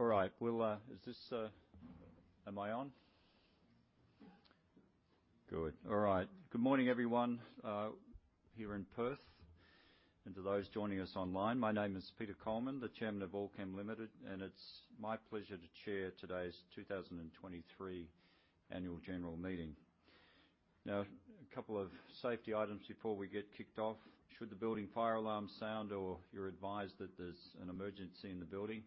All right. Well, is this, am I on? Good. All right. Good morning, everyone, here in Perth, and to those joining us online. My name is Peter Coleman, the Chairman of Allkem Limited, and it's my pleasure to chair today's 2023 Annual General Meeting. Now, a couple of safety items before we get kicked off. Should the building fire alarm sound, or you're advised that there's an emergency in the building,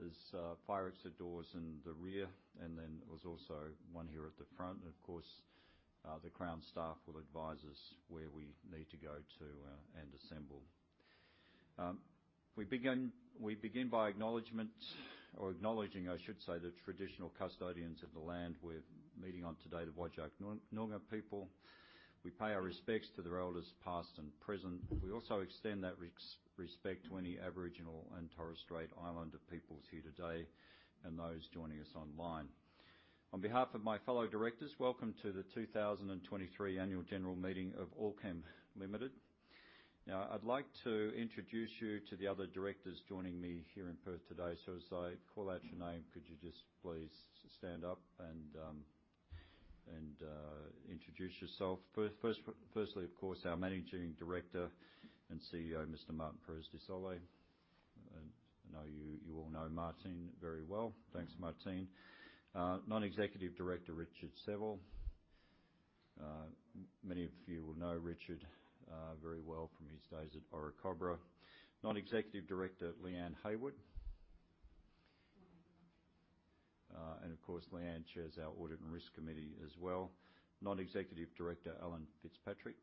there's fire exit doors in the rear, and then there's also one here at the front. And of course, the Crown staff will advise us where we need to go to, and assemble. We begin by acknowledgement or acknowledging, I should say, the traditional custodians of the land we're meeting on today, the Whadjuk Noongar people. We pay our respects to their elders, past and present. We also extend that respect to any Aboriginal and Torres Strait Islander peoples here today and those joining us online. On behalf of my fellow directors, welcome to the 2023 Annual General Meeting of Allkem Limited. Now, I'd like to introduce you to the other directors joining me here in Perth today. So as I call out your name, could you just please stand up and introduce yourself. Firstly, of course, our Managing Director and CEO, Mr. Martín Pérez de Solay. I know you all know Martín very well. Thanks, Martín. Non-Executive Director, Richard Seville. Many of you will know Richard very well from his days at Orocobre. Non-Executive Director, Leanne Heywood. And of course, Leanne chairs our Audit and Risk Committee as well. Non-Executive Director, Alan Fitzpatrick.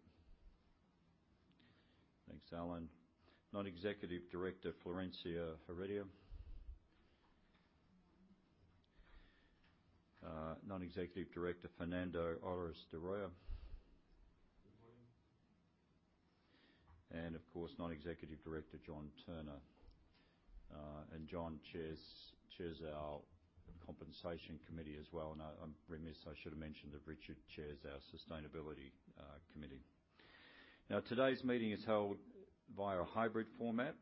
Thanks, Alan. Non-Executive Director, Florencia Heredia. Non-Executive Director, Fernando Oris de Roa. Of course, Non-Executive Director, John Turner. And John chairs our Compensation Committee as well. I'm remiss. I should have mentioned that Richard chairs our Sustainability Committee. Now, today's meeting is held via a hybrid format,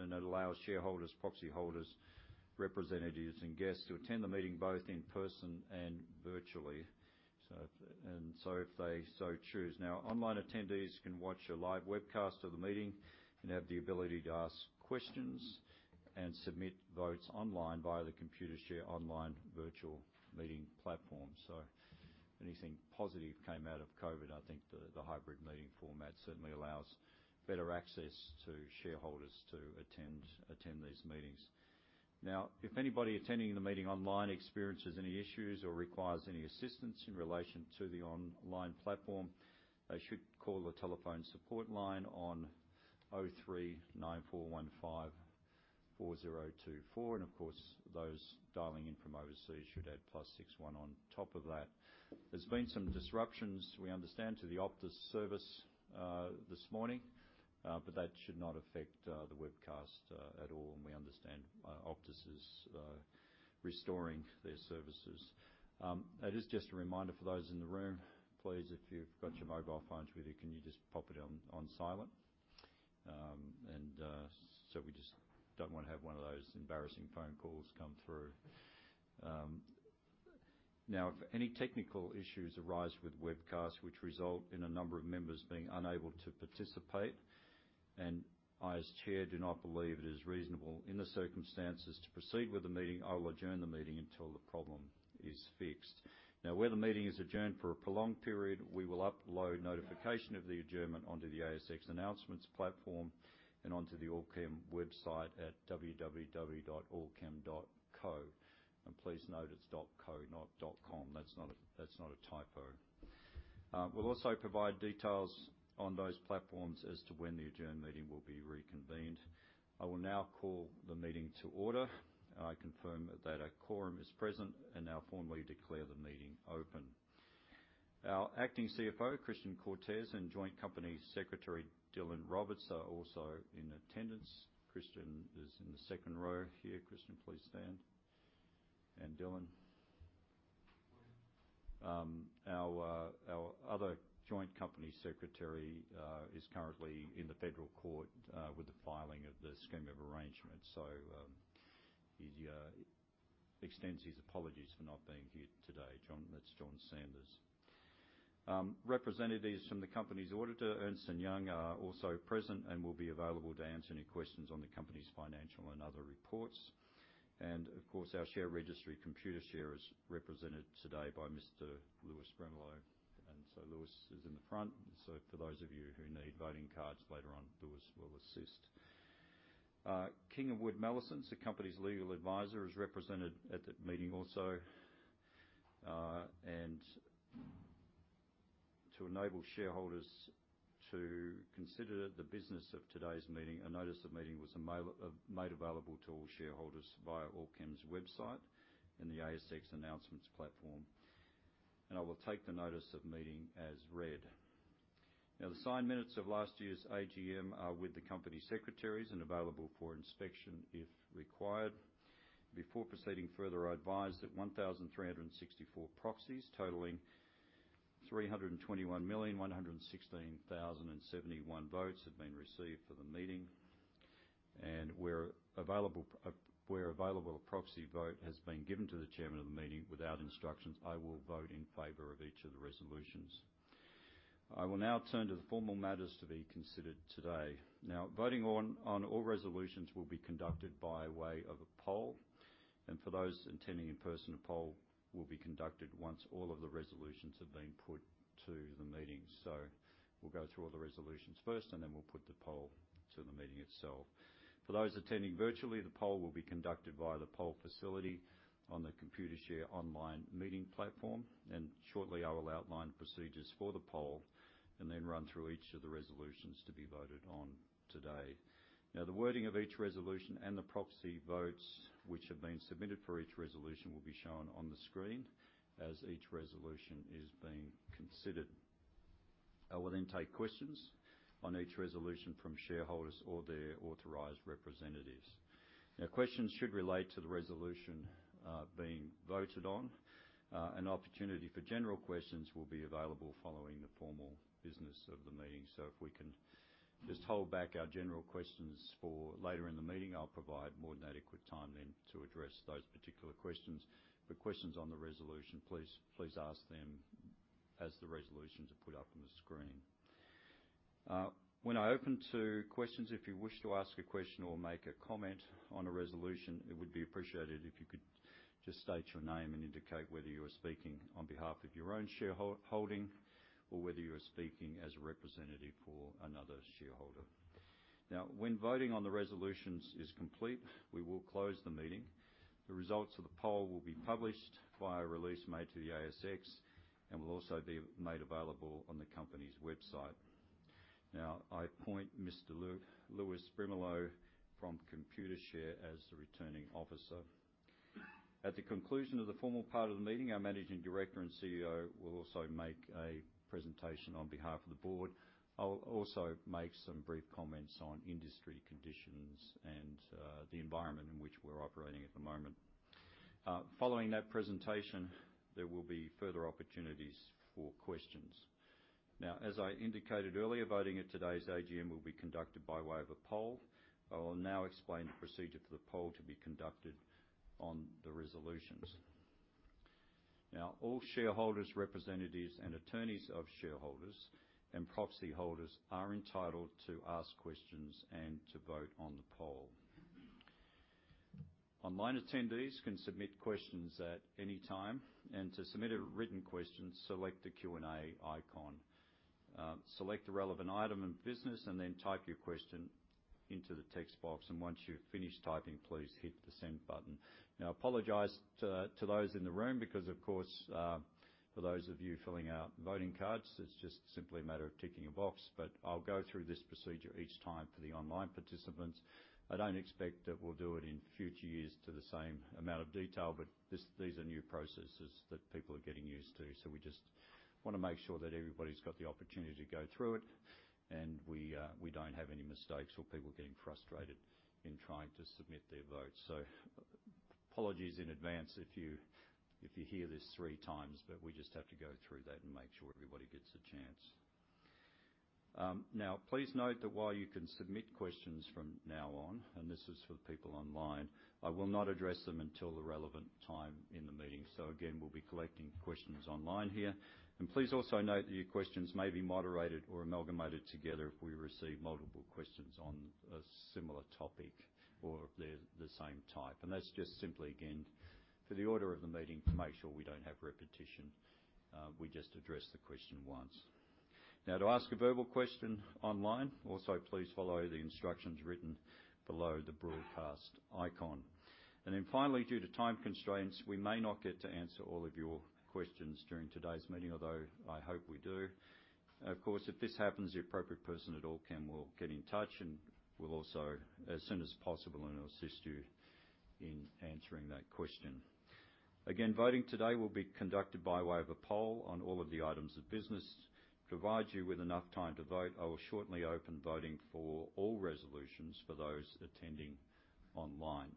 and it allows shareholders, proxy holders, representatives, and guests to attend the meeting both in person and virtually. And so if they so choose. Now, online attendees can watch a live webcast of the meeting and have the ability to ask questions and submit votes online via the Computershare online virtual meeting platform. So if anything positive came out of COVID, I think the hybrid meeting format certainly allows better access to shareholders to attend these meetings. Now, if anybody attending the meeting online experiences any issues or requires any assistance in relation to the online platform, they should call the telephone support line on 03 9415 4024. And of course, those dialing in from overseas should add +61 on top of that. There's been some disruptions, we understand, to the Optus service, this morning, but that should not affect, the webcast, at all, and we understand, Optus is, restoring their services. It is just a reminder for those in the room, please, if you've got your mobile phones with you, can you just pop it on, on silent? And, so we just don't want to have one of those embarrassing phone calls come through. Now, if any technical issues arise with the webcast, which result in a number of members being unable to participate, and I, as Chair, do not believe it is reasonable in the circumstances to proceed with the meeting, I will adjourn the meeting until the problem is fixed. Now, where the meeting is adjourned for a prolonged period, we will upload notification of the adjournment onto the ASX announcements platform and onto the Allkem website at www.allkem.co. Please note, it's .co, not .com. That's not a typo. We'll also provide details on those platforms as to when the adjourned meeting will be reconvened. I will now call the meeting to order. I confirm that a quorum is present and now formally declare the meeting open. Our Acting CFO, Christian Cortés, and Joint Company Secretary, Dylan Roberts, are also in attendance. Christian is in the second row here. Christian, please stand. And Dylan. Our other Joint Company Secretary is currently in the Federal Court with the filing of the Scheme of Arrangement, so he extends his apologies for not being here today. John, that's John Sanders. Representatives from the company's auditor, Ernst & Young, are also present and will be available to answer any questions on the company's financial and other reports. Of course, our share registry Computershare is represented today by Mr. Lewis Brimelow, and so Lewis is in the front. For those of you who need voting cards later on, Lewis will assist. King & Wood Mallesons, the company's legal advisor, is represented at the meeting also. To enable shareholders to consider the business of today's meeting, a notice of meeting was available to all shareholders via Allkem's website and the ASX announcements platform. I will take the notice of meeting as read. Now, the signed minutes of last year's AGM are with the company secretaries and available for inspection if required. Before proceeding further, I advise that 1,364 proxies, totaling 321,116,071 votes, have been received for the meeting. Where available, a proxy vote has been given to the chairman of the meeting without instructions, I will vote in favor of each of the resolutions. I will now turn to the formal matters to be considered today. Now, voting on all resolutions will be conducted by way of a poll, and for those attending in person, a poll will be conducted once all of the resolutions have been put to the meeting. So we'll go through all the resolutions first, and then we'll put the poll to the meeting itself. For those attending virtually, the poll will be conducted via the poll facility on the Computershare online meeting platform, and shortly, I will outline procedures for the poll and then run through each of the resolutions to be voted on today. Now, the wording of each resolution and the proxy votes, which have been submitted for each resolution, will be shown on the screen as each resolution is being considered. I will then take questions on each resolution from shareholders or their authorized representatives. Now, questions should relate to the resolution being voted on. An opportunity for general questions will be available following the formal business of the meeting. So if we can just hold back our general questions for later in the meeting, I'll provide more than adequate time then to address those particular questions. But questions on the resolution, please, please ask them as the resolutions are put up on the screen. When I open to questions, if you wish to ask a question or make a comment on a resolution, it would be appreciated if you could just state your name and indicate whether you are speaking on behalf of your own shareholding, or whether you are speaking as a representative for another shareholder. Now, when voting on the resolutions is complete, we will close the meeting. The results of the poll will be published via a release made to the ASX and will also be made available on the company's website. Now, I appoint Mr. Lewis Brimelow from Computershare as the Returning Officer. At the conclusion of the formal part of the meeting, our Managing Director and CEO will also make a presentation on behalf of the board. I will also make some brief comments on industry conditions and the environment in which we're operating at the moment. Following that presentation, there will be further opportunities for questions. Now, as I indicated earlier, voting at today's AGM will be conducted by way of a poll. I will now explain the procedure for the poll to be conducted on the resolutions. Now, all shareholders, representatives, and attorneys of shareholders and proxy holders are entitled to ask questions and to vote on the poll. Online attendees can submit questions at any time, and to submit a written question, select the Q&A icon. Select the relevant item in business and then type your question into the text box, and once you've finished typing, please hit the Send button. Now, I apologize to those in the room because, of course, for those of you filling out voting cards, it's just simply a matter of ticking a box. But I'll go through this procedure each time for the online participants. I don't expect that we'll do it in future years to the same amount of detail, but these are new processes that people are getting used to, so we just want to make sure that everybody's got the opportunity to go through it, and we don't have any mistakes or people getting frustrated in trying to submit their votes. So apologies in advance if you, if you hear this three times, but we just have to go through that and make sure everybody gets a chance. Now, please note that while you can submit questions from now on, and this is for the people online, I will not address them until the relevant time in the meeting. So again, we'll be collecting questions online here. And please also note that your questions may be moderated or amalgamated together if we receive multiple questions on a similar topic or if they're the same type. And that's just simply, again, for the order of the meeting, to make sure we don't have repetition, we just address the question once. Now, to ask a verbal question online, also please follow the instructions written below the Broadcast icon. And then finally, due to time constraints, we may not get to answer all of your questions during today's meeting, although I hope we do. Of course, if this happens, the appropriate person at Allkem will get in touch and will also, as soon as possible, and assist you in answering that question. Again, voting today will be conducted by way of a poll on all of the items of business. To provide you with enough time to vote, I will shortly open voting for all resolutions for those attending online.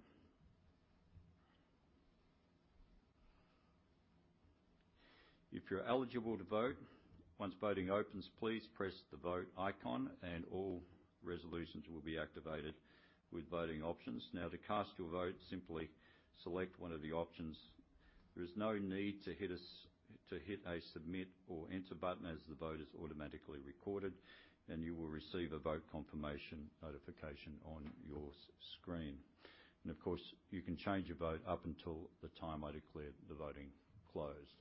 If you're eligible to vote, once voting opens, please press the Vote icon, and all resolutions will be activated with voting options. Now, to cast your vote, simply select one of the options. There is no need to hit a Submit or Enter button, as the vote is automatically recorded, and you will receive a vote confirmation notification on your screen. And of course, you can change your vote up until the time I declare the voting closed.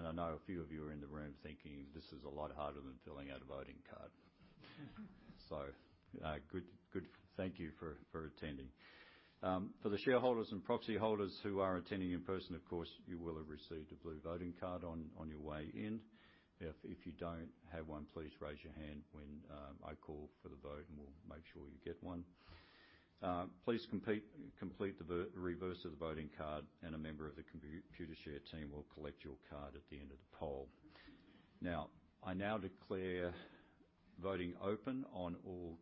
I know a few of you are in the room thinking, "This is a lot harder than filling out a voting card." So, good, good. Thank you for attending. For the shareholders and proxy holders who are attending in person, of course, you will have received a blue voting card on your way in. If you don't have one, please raise your hand when I call for the vote, and we'll make sure you get one. Please complete the reverse of the voting card, and a member of the Computershare team will collect your card at the end of the poll. Now, I declare voting open on all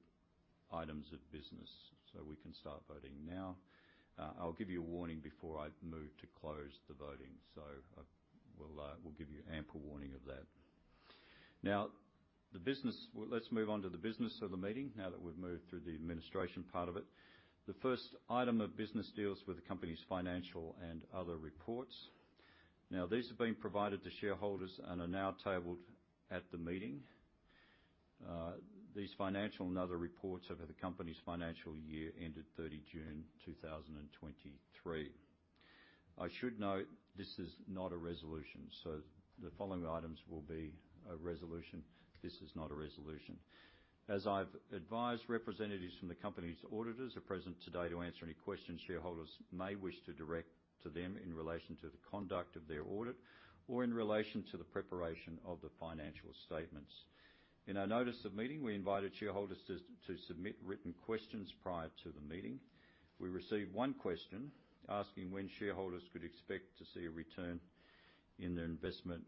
items of business, so we can start voting now. I'll give you a warning before I move to close the voting, so we'll give you ample warning of that. Now, let's move on to the business of the meeting, now that we've moved through the administration part of it. The first item of business deals with the company's financial and other reports. Now, these have been provided to shareholders and are now tabled at the meeting. These financial and other reports are for the company's financial year, ended 30 June 2023. I should note, this is not a resolution, so the following items will be a resolution. This is not a resolution. As I've advised, representatives from the company's auditors are present today to answer any questions shareholders may wish to direct to them in relation to the conduct of their audit or in relation to the preparation of the financial statements. In our notice of meeting, we invited shareholders to submit written questions prior to the meeting. We received one question asking when shareholders could expect to see a return in their investment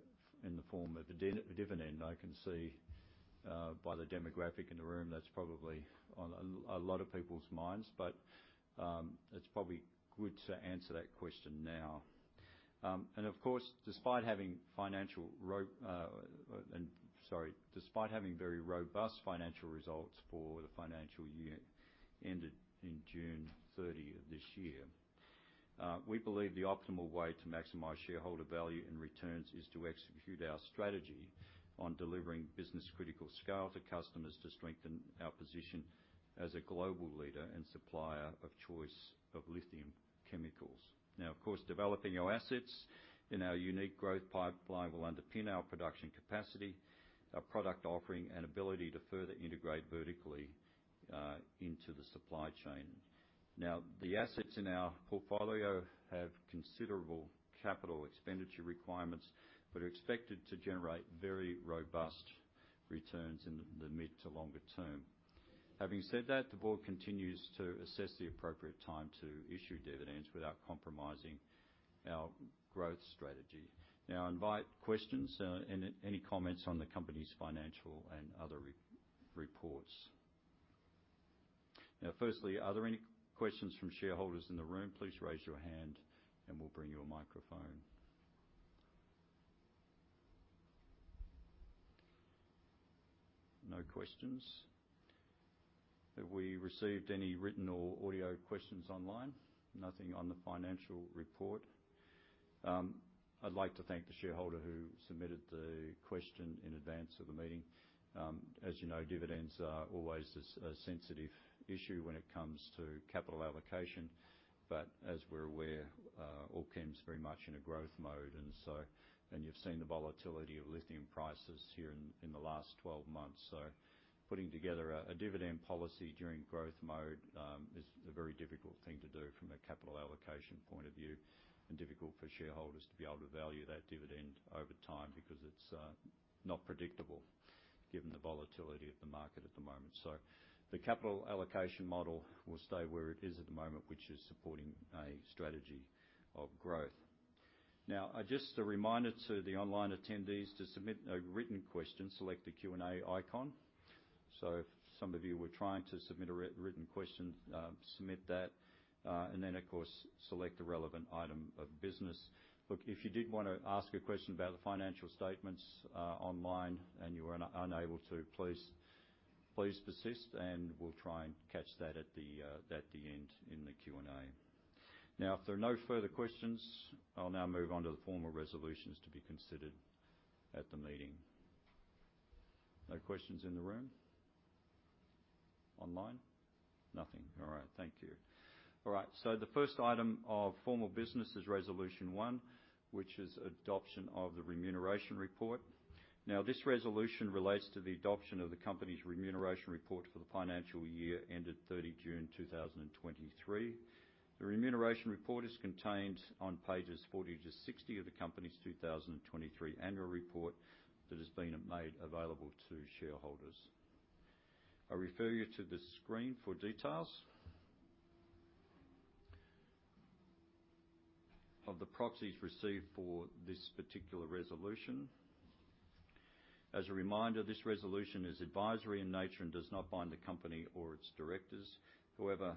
in the form of a dividend. I can see by the demographic in the room that's probably on a lot of people's minds, but it's probably good to answer that question now. And of course, despite having very robust financial results for the financial year ended in June 30th of this year, we believe the optimal way to maximize shareholder value and returns is to execute our strategy on delivering business-critical scale to customers to strengthen our position as a global leader and supplier of choice of lithium chemicals. Now, of course, developing our assets in our unique growth pipeline will underpin our production capacity, our product offering, and ability to further integrate vertically into the supply chain. Now, the assets in our portfolio have considerable capital expenditure requirements but are expected to generate very robust returns in the mid to longer term. Having said that, the board continues to assess the appropriate time to issue dividends without compromising our growth strategy. Now I invite questions and any comments on the company's financial and other reports. Now, firstly, are there any questions from shareholders in the room? Please raise your hand, and we'll bring you a microphone. No questions. Have we received any written or audio questions online? Nothing on the financial report. I'd like to thank the shareholder who submitted the question in advance of the meeting. As you know, dividends are always a sensitive issue when it comes to capital allocation, but as we're aware, Allkem's very much in a growth mode, and so. And you've seen the volatility of lithium prices here in the last 12 months. So putting together a dividend policy during growth mode is a very difficult thing to do from a capital allocation point of view, and difficult for shareholders to be able to value that dividend over time, because it's not predictable given the volatility of the market at the moment. So the capital allocation model will stay where it is at the moment, which is supporting a strategy of growth. Now, just a reminder to the online attendees to submit a written question, select the Q&A icon. So if some of you were trying to submit a written question, submit that, and then, of course, select the relevant item of business. Look, if you did want to ask a question about the financial statements, online, and you were unable to, please, please persist, and we'll try and catch that at the, at the end in the Q&A. Now, if there are no further questions, I'll now move on to the formal resolutions to be considered at the meeting. No questions in the room? Online? Nothing. All right. Thank you. All right, the first item of formal business is Resolution 1, which is adoption of the remuneration report. Now, this resolution relates to the adoption of the company's remuneration report for the financial year ended 30 June 2023. The remuneration report is contained on pages 40-60 of the company's 2023 annual report that has been made available to shareholders. I refer you to the screen for details. Of the proxies received for this particular resolution. As a reminder, this resolution is advisory in nature and does not bind the company or its directors. However,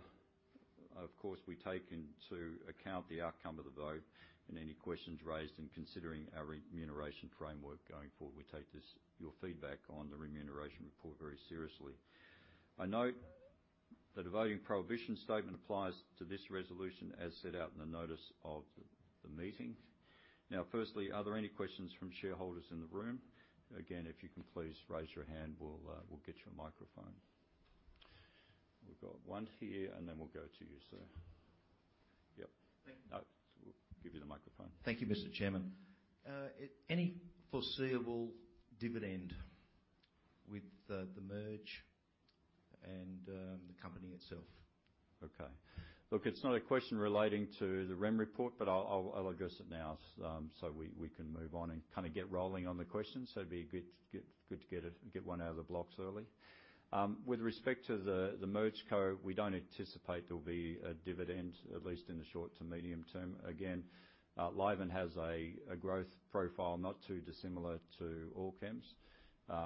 of course, we take into account the outcome of the vote and any questions raised in considering our remuneration framework going forward. We take this, your feedback on the remuneration report very seriously. I note that a voting prohibition statement applies to this resolution as set out in the notice of the meeting. Now, firstly, are there any questions from shareholders in the room? Again, if you can please raise your hand, we'll get you a microphone. We've got one here, and then we'll go to you, sir. Yep. Thank you. We'll give you the microphone. Thank you, Mr. Chairman. Any foreseeable dividend with the merger and the company itself? Okay. Look, it's not a question relating to the REM report, but I'll address it now, so we can move on and kind of get rolling on the questions. So it'd be good to get one out of the blocks early. With respect to the MergeCo, we don't anticipate there will be a dividend, at least in the short to medium term. Again, Livent has a growth profile not too dissimilar to Allkem's.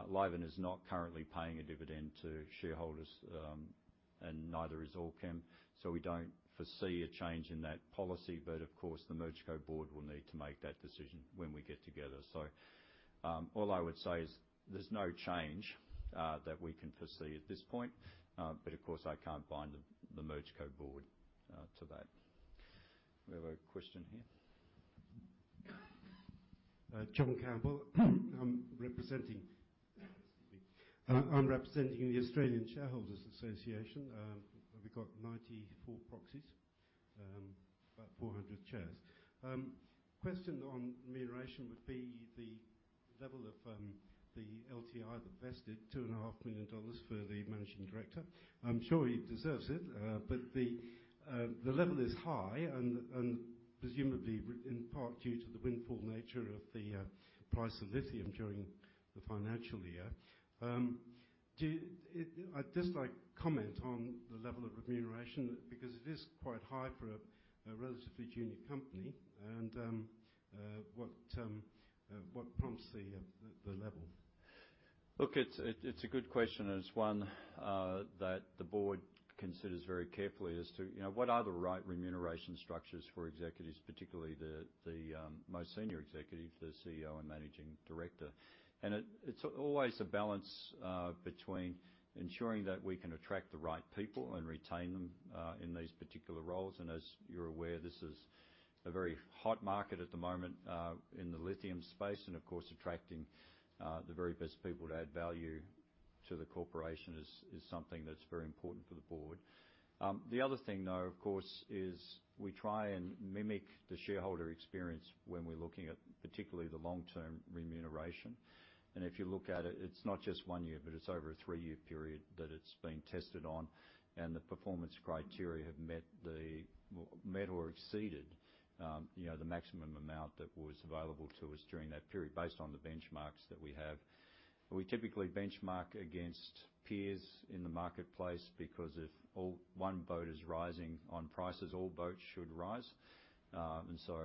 Livent is not currently paying a dividend to shareholders, and neither is Allkem, so we don't foresee a change in that policy. But of course, the MergeCo board will need to make that decision when we get together. So, all I would say is there's no change that we can foresee at this point. But of course, I can't bind the MergeCo board to that. We have a question here? John Campbell. I'm representing. Excuse me. I'm representing the Australian Shareholders Association. We've got 94 proxies, about 400 shares. Question on remuneration would be the level of the LTI that vested $2.5 million for the managing director. I'm sure he deserves it, but the level is high and, and presumably in part, due to the windfall nature of the price of lithium during the financial year. Do, I'd just like a comment on the level of remuneration, because it is quite high for a relatively junior company, and what prompts the level? Look, it's a good question, and it's one that the board considers very carefully as to, you know, what are the right remuneration structures for executives, particularly the most Senior Executive, the CEO and Managing Director. And it's always a balance between ensuring that we can attract the right people and retain them in these particular roles. And as you're aware, this is a very hot market at the moment in the lithium space, and of course, attracting the very best people to add value to the corporation is something that's very important for the board. The other thing, though, of course, is we try and mimic the shareholder experience when we're looking at particularly the long-term remuneration. If you look at it, it's not just one year, but it's over a three-year period that it's been tested on, and the performance criteria have met or exceeded, you know, the maximum amount that was available to us during that period, based on the benchmarks that we have. We typically benchmark against peers in the marketplace, because if one boat is rising on prices, all boats should rise. And so,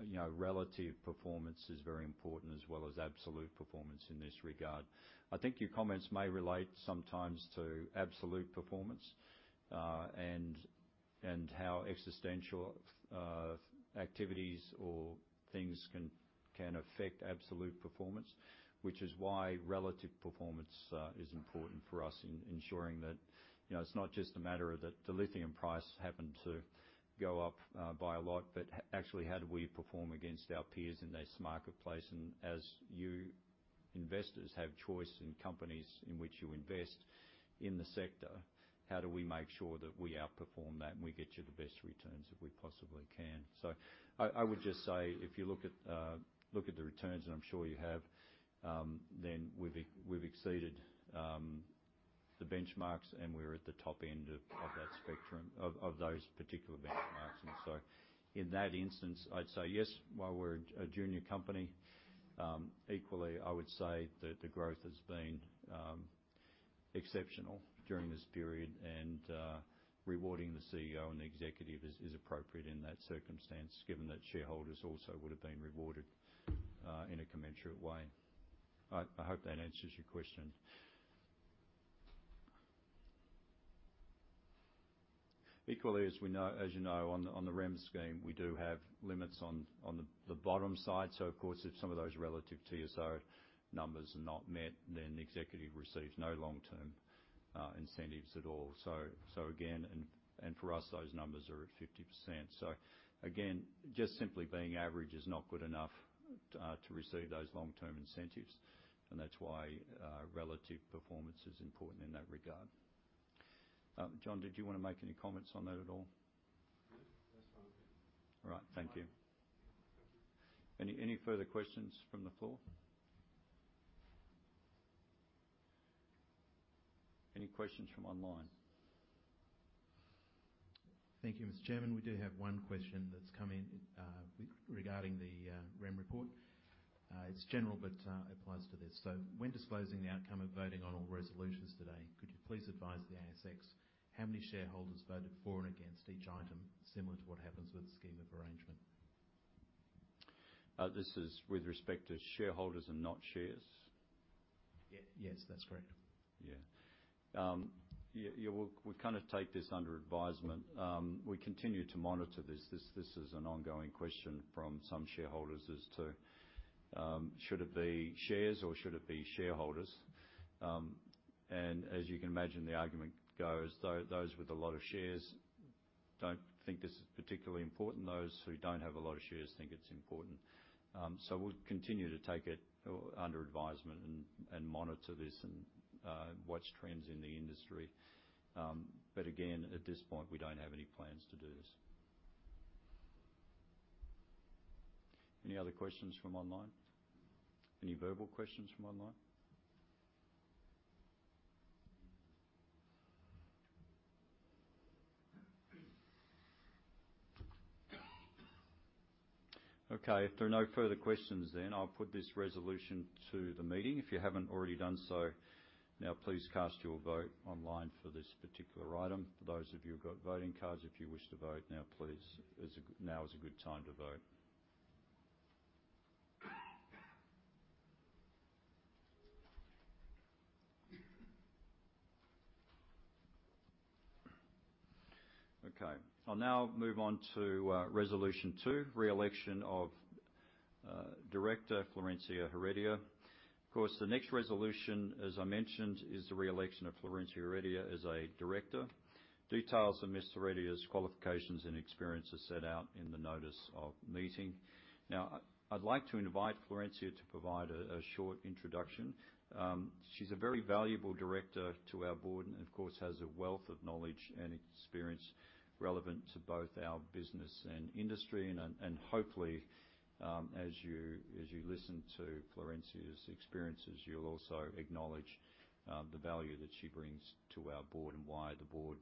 you know, relative performance is very important, as well as absolute performance in this regard. I think your comments may relate sometimes to absolute performance, and how existential activities or things can affect absolute performance, which is why relative performance is important for us in ensuring that, you know, it's not just a matter of that the lithium price happened to go up by a lot, but actually, how do we perform against our peers in this marketplace? And as you investors have choice in companies in which you invest in the sector, how do we make sure that we outperform that, and we get you the best returns that we possibly can? So I would just say, if you look at the returns, and I'm sure you have, then we've exceeded the benchmarks, and we're at the top end of that spectrum of those particular benchmarks. And so in that instance, I'd say yes, while we're a junior company, equally, I would say that the growth has been exceptional during this period, and rewarding the CEO and the executive is appropriate in that circumstance, given that shareholders also would have been rewarded in a commensurate way. I hope that answers your question. Equally, as you know, on the REM scheme, we do have limits on the bottom side. So of course, if some of those relative TSR numbers are not met, then the executive receives no long-term incentives at all. So again, for us, those numbers are at 50%. So again, just simply being average is not good enough to receive those long-term incentives, and that's why relative performance is important in that regard. John, did you want to make any comments on that at all? No, that's fine. All right. Thank you. Thank you. Any, any further questions from the floor? Any questions from online? Thank you, Mr. Chairman. We do have one question that's come in, regarding the REM report. It's general, but applies to this. So when disclosing the outcome of voting on all resolutions today, could you please advise the ASX how many shareholders voted for and against each item, similar to what happens with the scheme of arrangement? This is with respect to shareholders and not shares? Yes, that's correct. Yeah. Yeah, yeah, we'll kind of take this under advisement. We continue to monitor this. This is an ongoing question from some shareholders as to should it be shares or should it be shareholders? And as you can imagine, the argument goes, those with a lot of shares don't think this is particularly important. Those who don't have a lot of shares think it's important. So we'll continue to take it under advisement, and monitor this, and watch trends in the industry. But again, at this point, we don't have any plans to do this. Any other questions from online? Any verbal questions from online? Okay, if there are no further questions, then I'll put this resolution to the meeting. If you haven't already done so, now please cast your vote online for this particular item. For those of you who've got voting cards, if you wish to vote now, please, now is a good time to vote. Okay, I'll now move on to resolution two, re-election of Director Florencia Heredia. Of course, the next resolution, as I mentioned, is the re-election of Florencia Heredia as a director. Details of Ms. Heredia's qualifications and experience are set out in the notice of meeting. Now, I'd like to invite Florencia to provide a short introduction. She's a very valuable director to our board and, of course, has a wealth of knowledge and experience relevant to both our business and industry. Hopefully, as you listen to Florencia's experiences, you'll also acknowledge the value that she brings to our board and why the board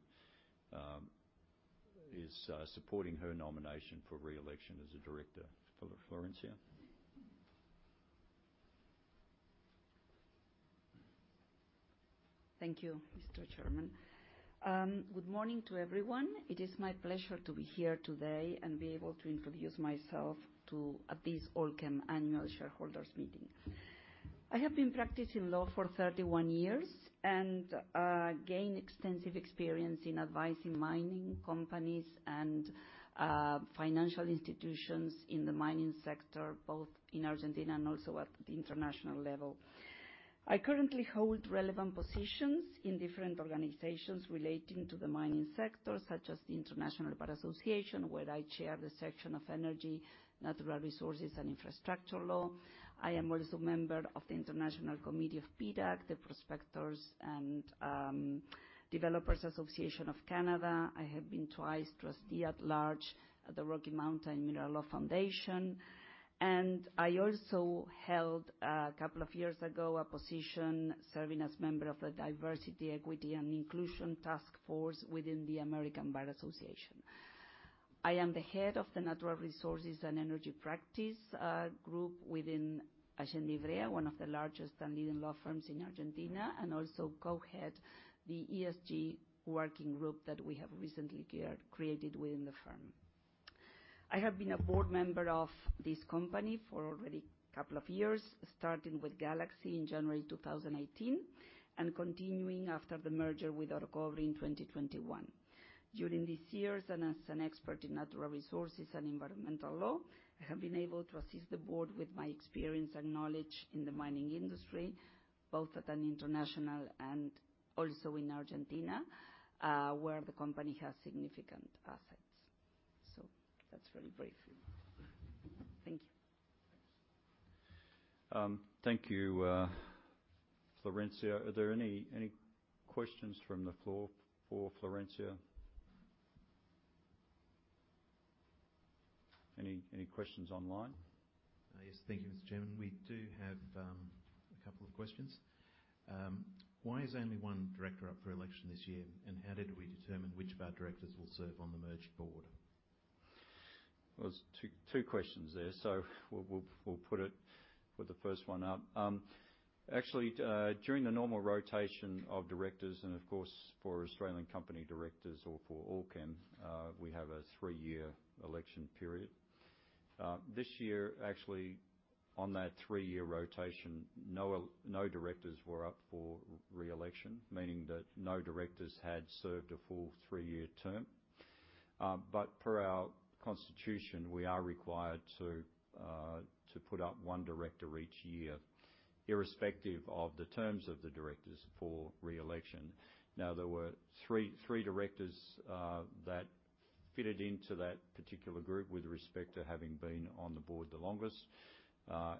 is supporting her nomination for re-election as a director. Florencia? Thank you, Mr. Chairman. Good morning to everyone. It is my pleasure to be here today and be able to introduce myself to at this Allkem Annual Shareholders Meeting. I have been practicing law for 31 years, and gained extensive experience in advising mining companies and financial institutions in the mining sector, both in Argentina and also at the international level. I currently hold relevant positions in different organizations relating to the mining sector, such as the International Bar Association, where I chair the Section of Energy, Natural Resources, and Infrastructure Law. I am also a member of the International Committee of PDAC, the Prospectors and Developers Association of Canada. I have been twice Trustee-at-Large at the Rocky Mountain Mineral Law Foundation, and I also held, a couple of years ago, a position serving as member of the Diversity, Equity and Inclusion Task Force within the American Bar Association. I am the Head of the Natural Resources and Energy Practice Group within Allende & Brea, one of the largest and leading law firms in Argentina, and also co-head the ESG working group that we have recently created within the firm. I have been a board member of this company for already a couple of years, starting with Galaxy in January 2018, and continuing after the merger with Orocobre in 2021. During these years, and as an expert in natural resources and environmental law, I have been able to assist the board with my experience and knowledge in the mining industry, both at an international and also in Argentina, where the company has significant assets. So that's very briefly. Thank you. Thank you, Florencia. Are there any, any questions from the floor for Florencia? Any, any questions online? Yes. Thank you, Mr. Chairman. We do have a couple of questions. Why is only one director up for election this year, and how did we determine which of our directors will serve on the merged board? Well, there's two questions there, so we'll put it, put the first one up. Actually, during the normal rotation of directors, and of course, for Australian company directors or for Allkem, we have a three-year election period. This year, actually, on that three-year rotation, no directors were up for re-election, meaning that no directors had served a full three-year term. But per our constitution, we are required to put up one director each year, irrespective of the terms of the directors for re-election. Now, there were three directors that fitted into that particular group with respect to having been on the board the longest,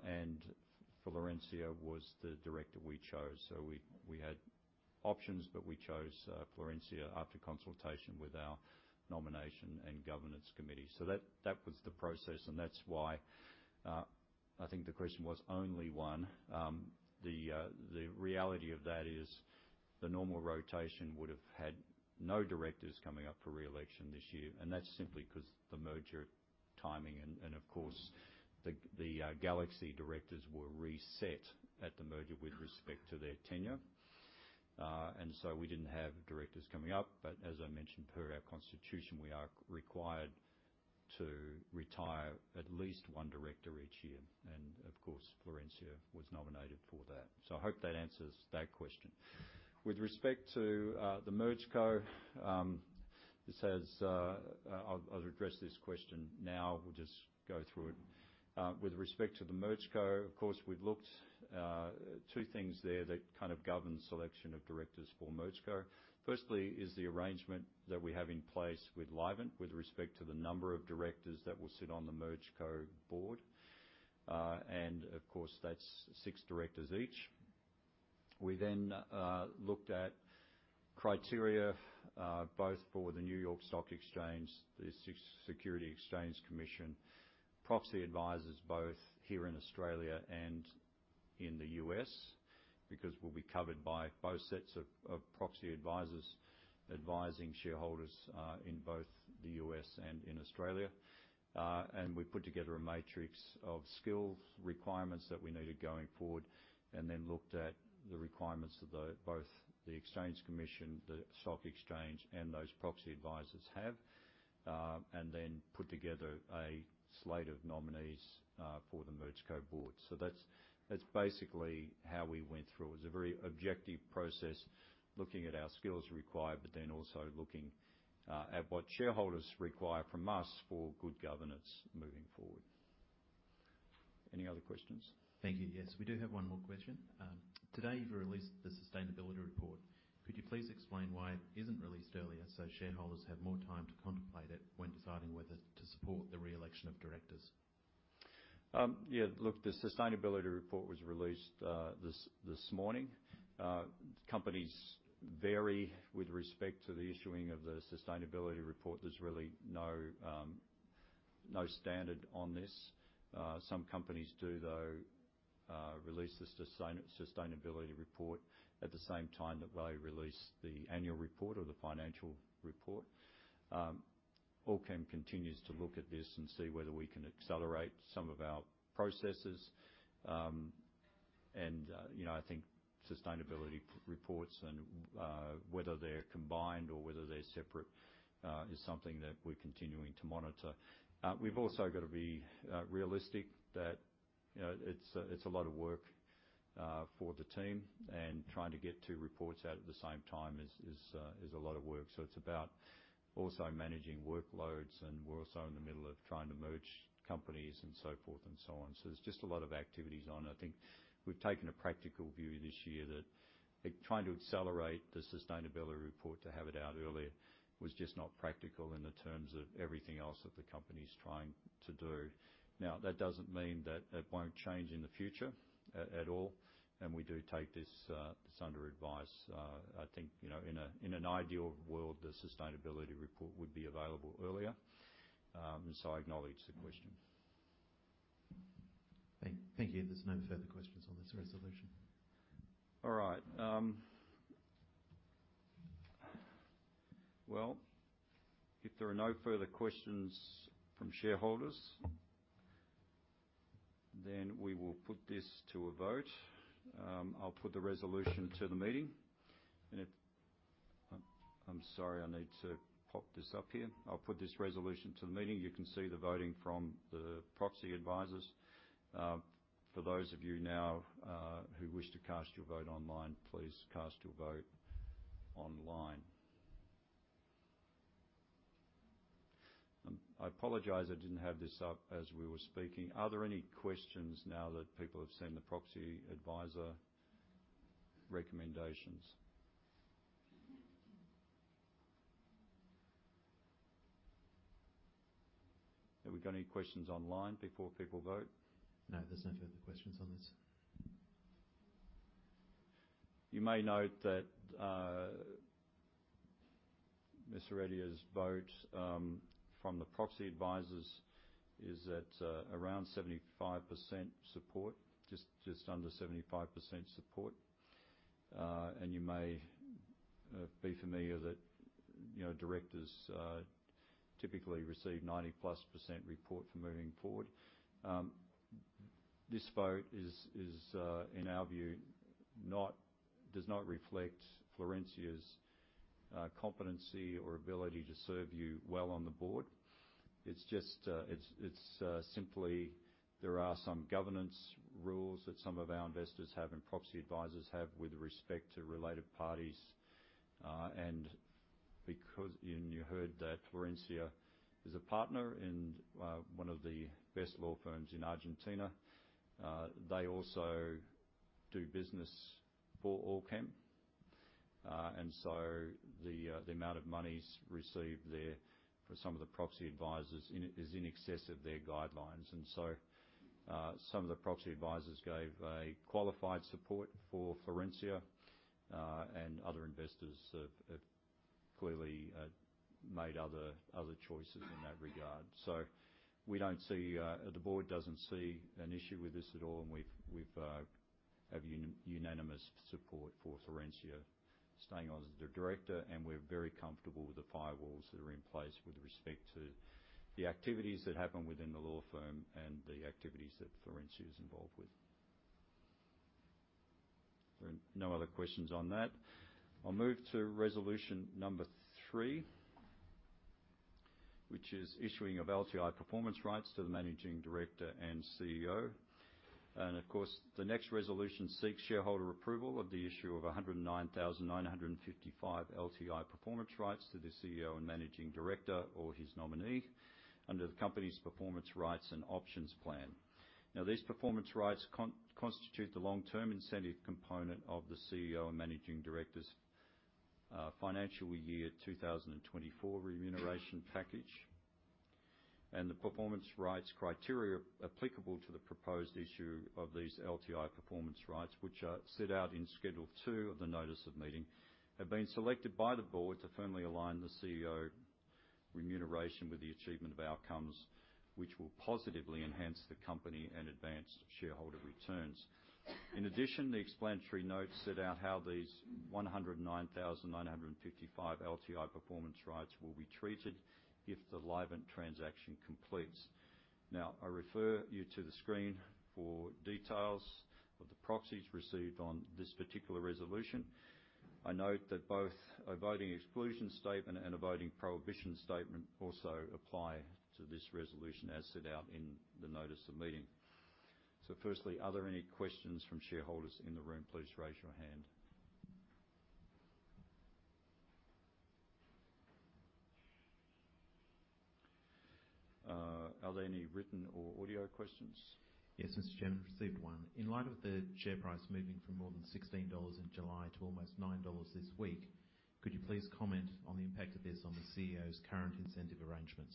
and Florencia was the director we chose. So we had options, but we chose Florencia after consultation with our Nomination and Governance Committee. So that, that was the process, and that's why, I think the question was only one. The reality of that is the normal rotation would have had no directors coming up for re-election this year, and that's simply 'cause the merger timing and, of course, the Galaxy directors were reset at the merger with respect to their tenure. And so we didn't have directors coming up, but as I mentioned, per our constitution, we are required to retire at least one director each year. And of course, Florencia was nominated for that. So I hope that answers that question. With respect to the MergeCo, this has I'll address this question now. We'll just go through it. With respect to the MergeCo, of course, we've looked two things there that kind of govern selection of directors for MergeCo. First, is the arrangement that we have in place with Livent, with respect to the number of directors that will sit on the MergeCo board. And of course, that's six directors each. We then looked at criteria both for the New York Stock Exchange, the SEC, Securities and Exchange Commission, proxy advisors, both here in Australia and in the U.S because we'll be covered by both sets of proxy advisors advising shareholders in both the U.S. and in Australia. And we put together a matrix of skills requirements that we needed going forward, and then looked at the requirements of both the SEC, the New York Stock Exchange, and those proxy advisors have. and then put together a slate of nominees for the MergeCo board. So that's basically how we went through. It was a very objective process, looking at our skills required, but then also looking at what shareholders require from us for good governance moving forward. Any other questions? Thank you. Yes, we do have one more question. Today, you've released the sustainability report. Could you please explain why it isn't released earlier, so shareholders have more time to contemplate it when deciding whether to support the re-election of directors? Yeah, look, the sustainability report was released this morning. Companies vary with respect to the issuing of the sustainability report. There's really no standard on this. Some companies do, though, release the sustainability report at the same time that they release the annual report or the financial report. Allkem continues to look at this and see whether we can accelerate some of our processes. And, you know, I think sustainability reports and whether they're combined or whether they're separate is something that we're continuing to monitor. We've also got to be realistic that, you know, it's a lot of work for the team, and trying to get two reports out at the same time is a lot of work. So it's about also managing workloads, and we're also in the middle of trying to merge companies and so forth and so on. So there's just a lot of activities on. I think we've taken a practical view this year that trying to accelerate the sustainability report to have it out earlier was just not practical in the terms of everything else that the company's trying to do. Now, that doesn't mean that it won't change in the future at all, and we do take this under advice. I think, you know, in an ideal world, the sustainability report would be available earlier. So I acknowledge the question. Thank you. There's no further questions on this resolution. All right. Well, if there are no further questions from shareholders, then we will put this to a vote. I'll put the resolution to the meeting. I'm sorry, I need to pop this up here. I'll put this resolution to the meeting. You can see the voting from the proxy advisors. For those of you now who wish to cast your vote online, please cast your vote online. I apologize I didn't have this up as we were speaking. Are there any questions now that people have seen the proxy advisor recommendations? Have we got any questions online before people vote? No, there's no further questions on this. You may note that, Mr. Ettore's vote from the proxy advisors is at around 75% support, just under 75% support. And you may be familiar that, you know, directors typically receive 90%+ report for moving forward. This vote is, in our view, does not reflect Florencia's competency or ability to serve you well on the board. It's just, it's simply there are some governance rules that some of our investors have and proxy advisors have with respect to related parties. And because, and you heard that Florencia is a partner in one of the best law firms in Argentina. They also do business for Allkem. And so the amount of monies received there for some of the proxy advisors is in excess of their guidelines. So, some of the proxy advisors gave a qualified support for Florencia, and other investors have clearly made other choices in that regard. So we don't see. The board doesn't see an issue with this at all, and we have unanimous support for Florencia staying on as the director, and we're very comfortable with the firewalls that are in place with respect to the activities that happen within the law firm and the activities that Florencia is involved with. If there are no other questions on that, I'll move to resolution number three, which is issuing of LTI performance rights to the Managing Director and CEO. Of course, the next resolution seeks shareholder approval of the issue of 109,955 LTI performance rights to the CEO and Managing Director or his nominee under the company's Performance Rights and Options Plan. Now, these performance rights constitute the long-term incentive component of the CEO and Managing Director's financial year 2024 remuneration package. The performance rights criteria applicable to the proposed issue of these LTI performance rights, which are set out in Schedule Two of the Notice of Meeting, have been selected by the board to firmly align the CEO remuneration with the achievement of outcomes, which will positively enhance the company and advance shareholder returns. In addition, the explanatory notes set out how these 109,955 LTI performance rights will be treated if the Livent transaction completes. Now, I refer you to the screen for details of the proxies received on this particular resolution. I note that both a voting exclusion statement and a voting prohibition statement also apply to this resolution, as set out in the notice of meeting. So firstly, are there any questions from shareholders in the room? Please raise your hand. Are there any written or audio questions? Yes, Mr. Chairman, I received one. In light of the share price moving from more than $16 in July to almost $9 this week, could you please comment on the impact of this on the CEO's current incentive arrangements?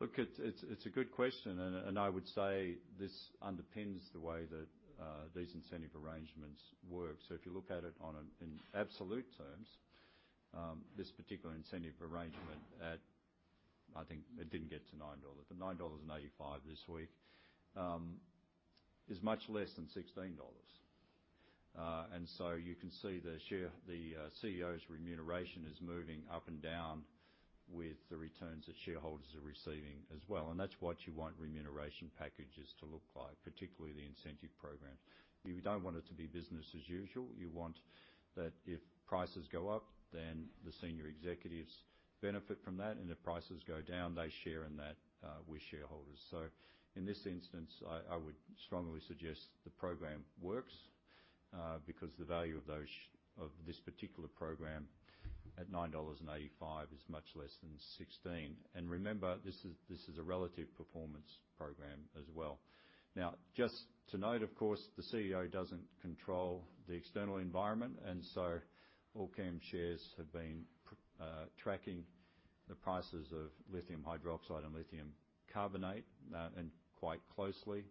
Look, it's, it's a good question, and, and I would say this underpins the way that these incentive arrangements work. So if you look at it in absolute terms, this particular incentive arrangement at, I think it didn't get to $9, but $9.85 this week, is much less than $16. And so you can see the share the CEO's remuneration is moving up and down with the returns that shareholders are receiving as well, and that's what you want remuneration packages to look like, particularly the incentive program. You don't want it to be business as usual. You want that if prices go up, then the senior executives benefit from that, and if prices go down, they share in that with shareholders. In this instance, I would strongly suggest the program works because the value of those of this particular program at $9.85 is much less than $16. And remember, this is a relative performance program as well. Now, just to note, of course, the CEO doesn't control the external environment, and so Allkem shares have been tracking the prices of lithium hydroxide and lithium carbonate and quite closely.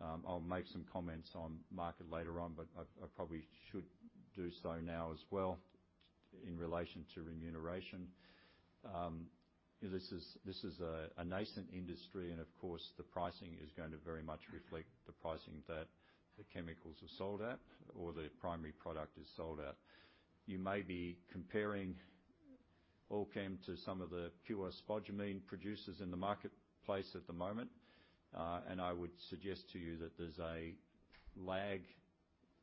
I'll make some comments on market later on, but I probably should do so now as well in relation to remuneration. This is a nascent industry and of course, the pricing is going to very much reflect the pricing that the chemicals are sold at or the primary product is sold at. You may be comparing Allkem to some of the pure spodumene producers in the marketplace at the moment. I would suggest to you that there's a lag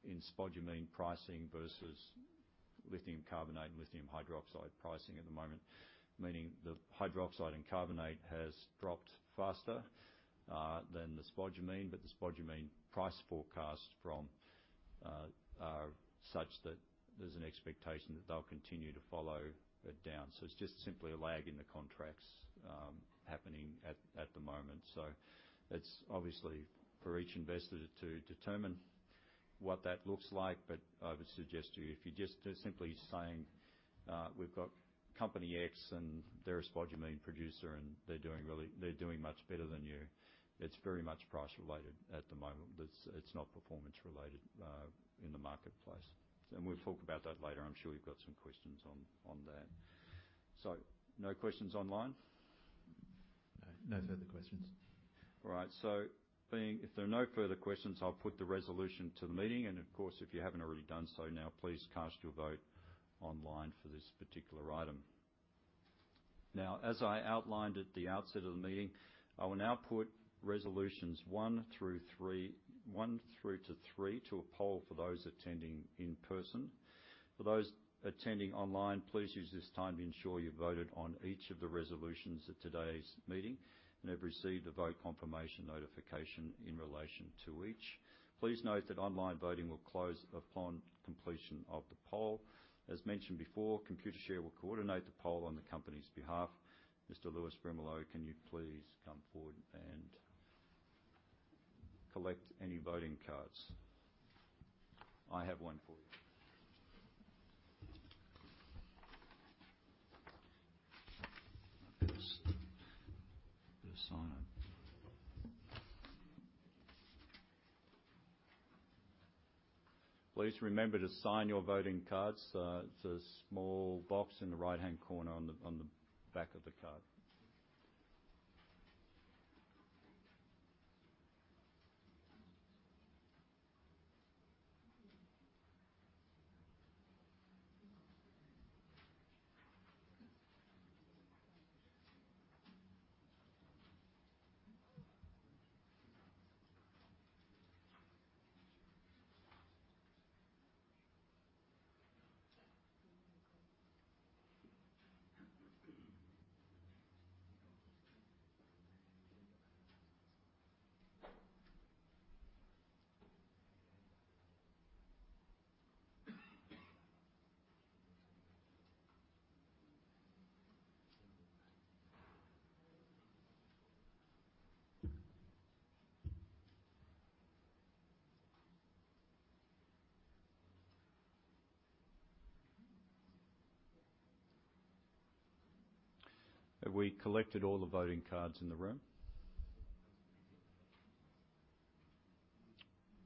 in spodumene pricing versus lithium carbonate and lithium hydroxide pricing at the moment, meaning the hydroxide and carbonate has dropped faster than the spodumene. But the spodumene price forecast from are such that there's an expectation that they'll continue to follow it down. So it's just simply a lag in the contracts happening at the moment. So that's obviously for each investor to determine what that looks like. But I would suggest to you, if you're just simply saying, "We've got company X, and they're a spodumene producer, and they're doing much better than you," it's very much price related at the moment. It's not performance related in the marketplace. We'll talk about that later. I'm sure you've got some questions on that. No questions online? No. No further questions. All right. So, if there are no further questions, I'll put the resolution to the meeting. And of course, if you haven't already done so, now please cast your vote online for this particular item. Now, as I outlined at the outset of the meeting, I will now put resolutions one through three, one through to three, to a poll for those attending in person. For those attending online, please use this time to ensure you voted on each of the resolutions at today's meeting and have received a vote confirmation notification in relation to each. Please note that online voting will close upon completion of the poll. As mentioned before, Computershare will coordinate the poll on the company's behalf. Mr. Lewis Brimelow, can you please come forward and collect any voting cards? I have one for you. Just sign them. Please remember to sign your voting cards. It's a small box in the right-hand corner on the back of the card. Have we collected all the voting cards in the room?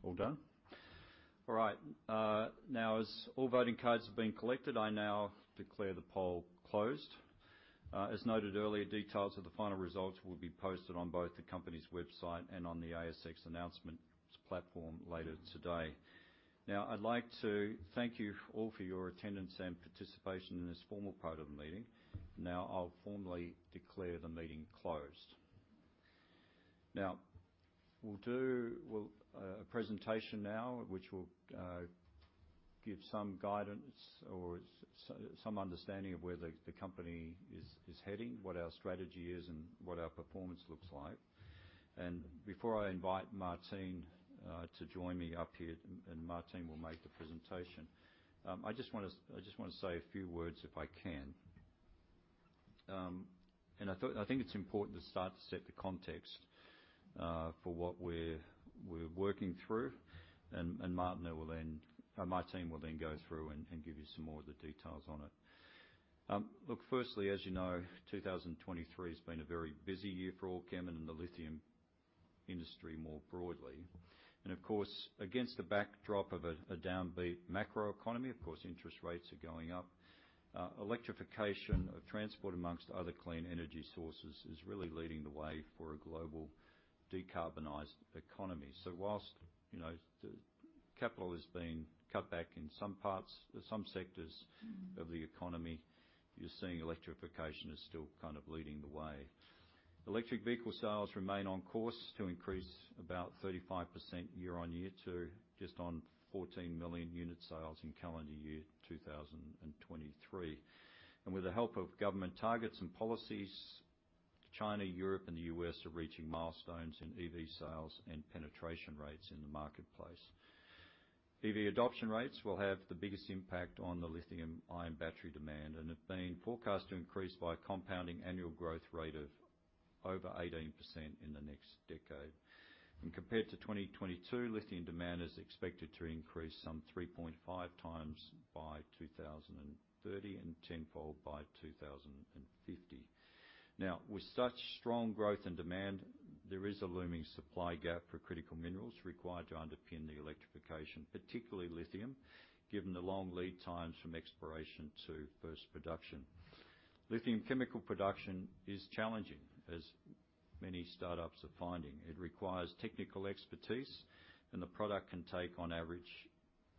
All done? All right, now, as all voting cards have been collected, I now declare the poll closed. As noted earlier, details of the final results will be posted on both the company's website and on the ASX announcement platform later today. Now, I'd like to thank you all for your attendance and participation in this formal part of the meeting. Now, I'll formally declare the meeting closed. Now, we'll do a presentation now, which will give some guidance or some understanding of where the company is heading, what our strategy is, and what our performance looks like. Before I invite Martin to join me up here, and Martin will make the presentation, I just want to say a few words, if I can. I think it's important to start to set the context for what we're working through, and Martin will then go through and give you some more of the details on it. Look, firstly, as you know, 2023 has been a very busy year for Allkem and the lithium industry more broadly. Of course, against the backdrop of a downbeat macroeconomy, interest rates are going up. Electrification of transport, among other clean energy sources, is really leading the way for a global decarbonized economy. So while, you know, the capital has been cut back in some parts, some sectors of the economy, you're seeing electrification is still kind of leading the way. Electric vehicle sales remain on course to increase about 35% year-on-year to just on 14 million unit sales in calendar year 2023. With the help of government targets and policies, China, Europe, and the U.S. are reaching milestones in EV sales and penetration rates in the marketplace. EV adoption rates will have the biggest impact on the lithium-ion battery demand, and have been forecast to increase by a compounding annual growth rate of over 18% in the next decade. Compared to 2022, lithium demand is expected to increase some 3.5 times by 2030, and tenfold by 2050. Now, with such strong growth and demand, there is a looming supply gap for critical minerals required to underpin the electrification, particularly lithium, given the long lead times from exploration to first production. Lithium chemical production is challenging, as many startups are finding. It requires technical expertise, and the product can take, on average,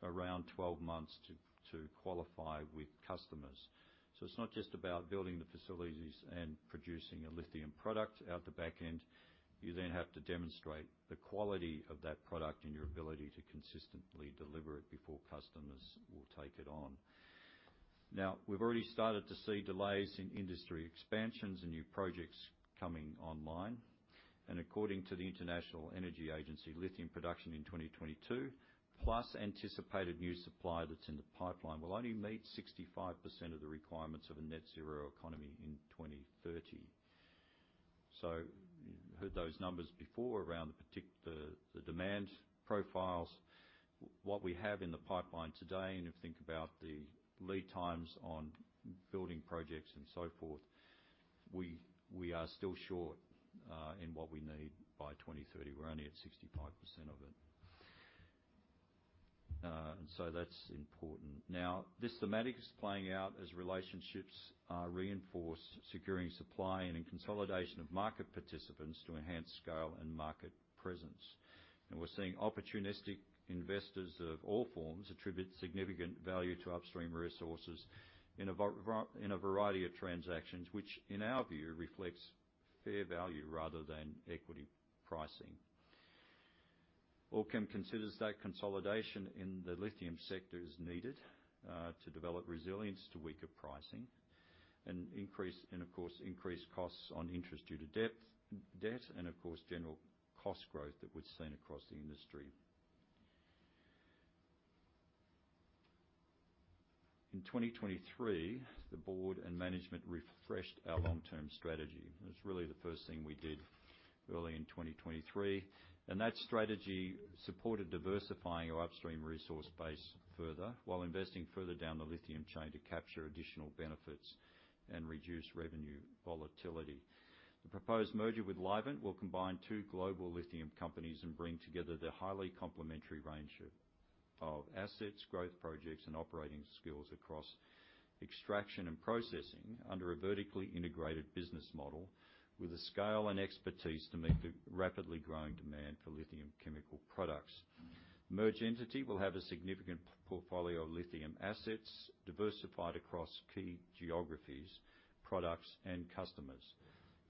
around 12 months to qualify with customers. So it's not just about building the facilities and producing a lithium product out the back end. You then have to demonstrate the quality of that product and your ability to consistently deliver it before customers will take it on. Now, we've already started to see delays in industry expansions and new projects coming online. And according to the International Energy Agency, lithium production in 2022, plus anticipated new supply that's in the pipeline, will only meet 65% of the requirements of a net zero economy in 2030. So you heard those numbers before around the demand profiles. What we have in the pipeline today, and if you think about the lead times on building projects and so forth, we are still short in what we need by 2030. We're only at 65% of it. And so that's important. Now, this thematic is playing out as relationships reinforce securing supply and in consolidation of market participants to enhance scale and market presence. We're seeing opportunistic investors of all forms attribute significant value to upstream resources in a variety of transactions, which, in our view, reflects fair value rather than equity pricing. Allkem considers that consolidation in the lithium sector is needed to develop resilience to weaker pricing and increased costs on interest due to debt and, of course, general cost growth that we've seen across the industry. In 2023, the board and management refreshed our long-term strategy. It was really the first thing we did early in 2023, and that strategy supported diversifying our upstream resource base further, while investing further down the lithium chain to capture additional benefits and reduce revenue volatility. The proposed merger with Livent will combine two global lithium companies and bring together the highly complementary range of assets, growth projects, and operating skills across extraction and processing under a vertically integrated business model, with the scale and expertise to meet the rapidly growing demand for lithium chemical products. The merged entity will have a significant portfolio of lithium assets diversified across key geographies, products, and customers.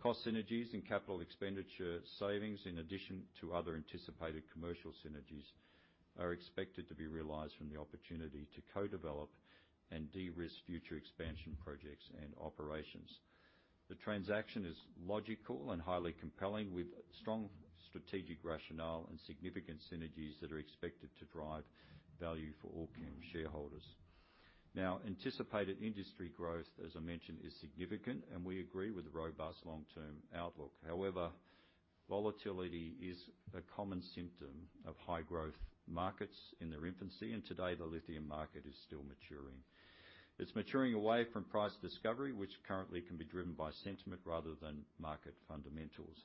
Cost synergies and capital expenditure savings, in addition to other anticipated commercial synergies, are expected to be realized from the opportunity to co-develop and de-risk future expansion projects and operations. The transaction is logical and highly compelling, with strong strategic rationale and significant synergies that are expected to drive value for Allkem shareholders. Now, anticipated industry growth, as I mentioned, is significant, and we agree with the robust long-term outlook. However, volatility is a common symptom of high-growth markets in their infancy, and today, the lithium market is still maturing. It's maturing away from price discovery, which currently can be driven by sentiment rather than market fundamentals.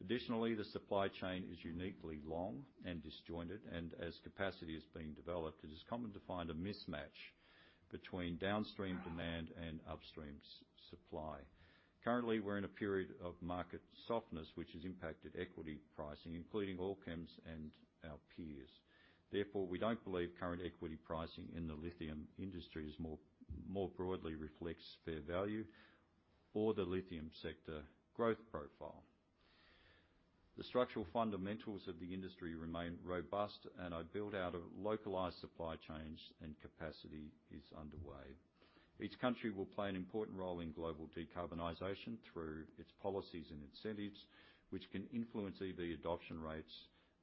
Additionally, the supply chain is uniquely long and disjointed, and as capacity is being developed, it is common to find a mismatch between downstream demand and upstream supply. Currently, we're in a period of market softness, which has impacted equity pricing, including Allkem's and our peers. Therefore, we don't believe current equity pricing in the lithium industry is more, more broadly reflects fair value or the lithium sector growth profile. The structural fundamentals of the industry remain robust and are built out of localized supply chains and capacity is underway. Each country will play an important role in global decarbonization through its policies and incentives, which can influence EV adoption rates,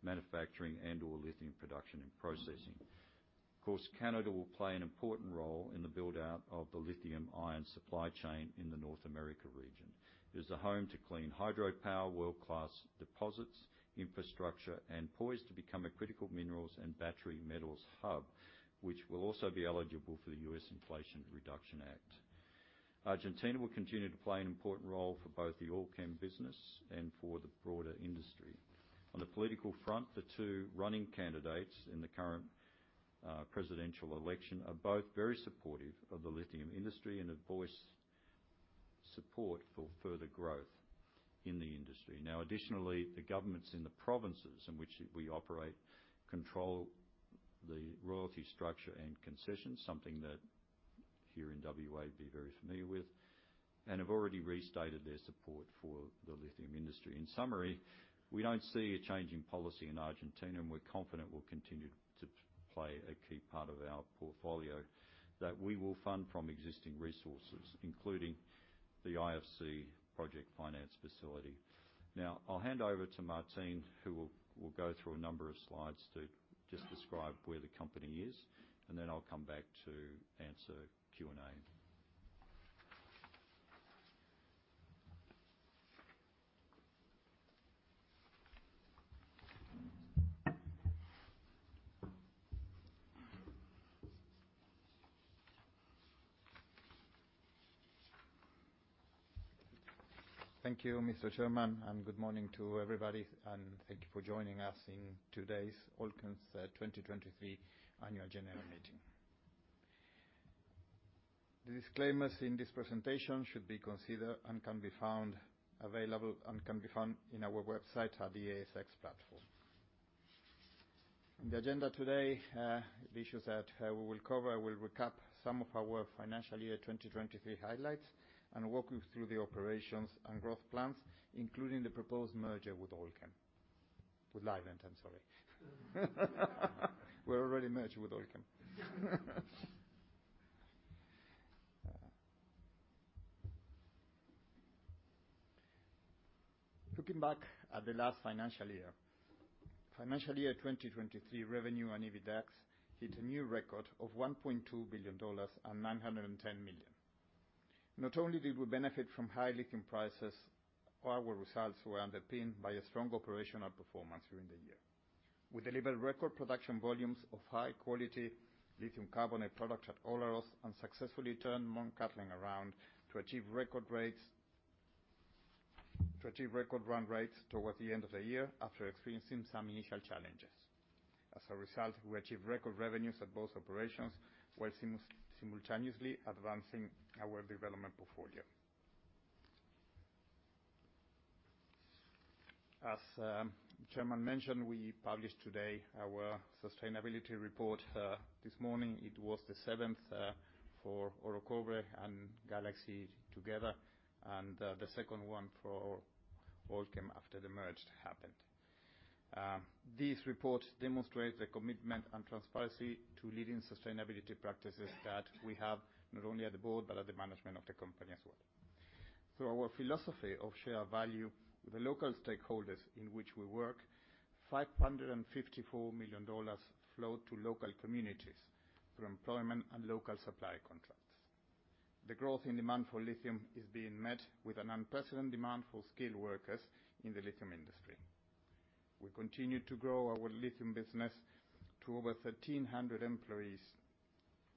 manufacturing, and/or lithium production and processing. Of course, Canada will play an important role in the build-out of the lithium-ion supply chain in the North America region. It is a home to clean hydropower, world-class deposits, infrastructure, and poised to become a critical minerals and battery metals hub, which will also be eligible for the U.S. Inflation Reduction Act. Argentina will continue to play an important role for both the Allkem business and for the broader industry. On the political front, the two running candidates in the current presidential election are both very supportive of the lithium industry and have voiced support for further growth in the industry. Now, additionally, the governments in the provinces in which we operate control the royalty structure and concessions, something that here in WA be very familiar with, and have already restated their support for the lithium industry. In summary, we don't see a change in policy in Argentina, and we're confident will continue to play a key part of our portfolio that we will fund from existing resources, including the IFC project finance facility. Now, I'll hand over to Martín, who will go through a number of slides to just describe where the company is, and then I'll come back to answer Q&A. Thank you, Mr. Chairman, and good morning to everybody, and thank you for joining us in today's Allkem's 2023 Annual General Meeting. The disclaimers in this presentation should be considered and can be found available, and can be found in our website at the ASX platform. In the agenda today, the issues that we will cover, we'll recap some of our financial year 2023 highlights and walk you through the operations and growth plans, including the proposed merger with Allkem. With Livent, I'm sorry. We're already merged with Allkem. Looking back at the last financial year, financial year 2023 revenue and EBITDAX hit a new record of $1.2 billion and $910 million. Not only did we benefit from high lithium prices, our results were underpinned by a strong operational performance during the year. We delivered record production volumes of high quality lithium carbonate product at Olaroz and successfully turned Mt Cattlin around to achieve record run rates towards the end of the year, after experiencing some initial challenges. As a result, we achieved record revenues at both operations, while simultaneously advancing our development portfolio. As Chairman mentioned, we published today our sustainability report. This morning, it was the seventh for Orocobre and Galaxy together, and the second one for Allkem after the merge happened. This report demonstrates the commitment and transparency to leading sustainability practices that we have, not only at the board, but at the management of the company as well. Through our philosophy of shared value, the local stakeholders in which we work, $554 million flowed to local communities through employment and local supply contracts. The growth in demand for lithium is being met with an unprecedented demand for skilled workers in the lithium industry. We continue to grow our lithium business to over 1,300 employees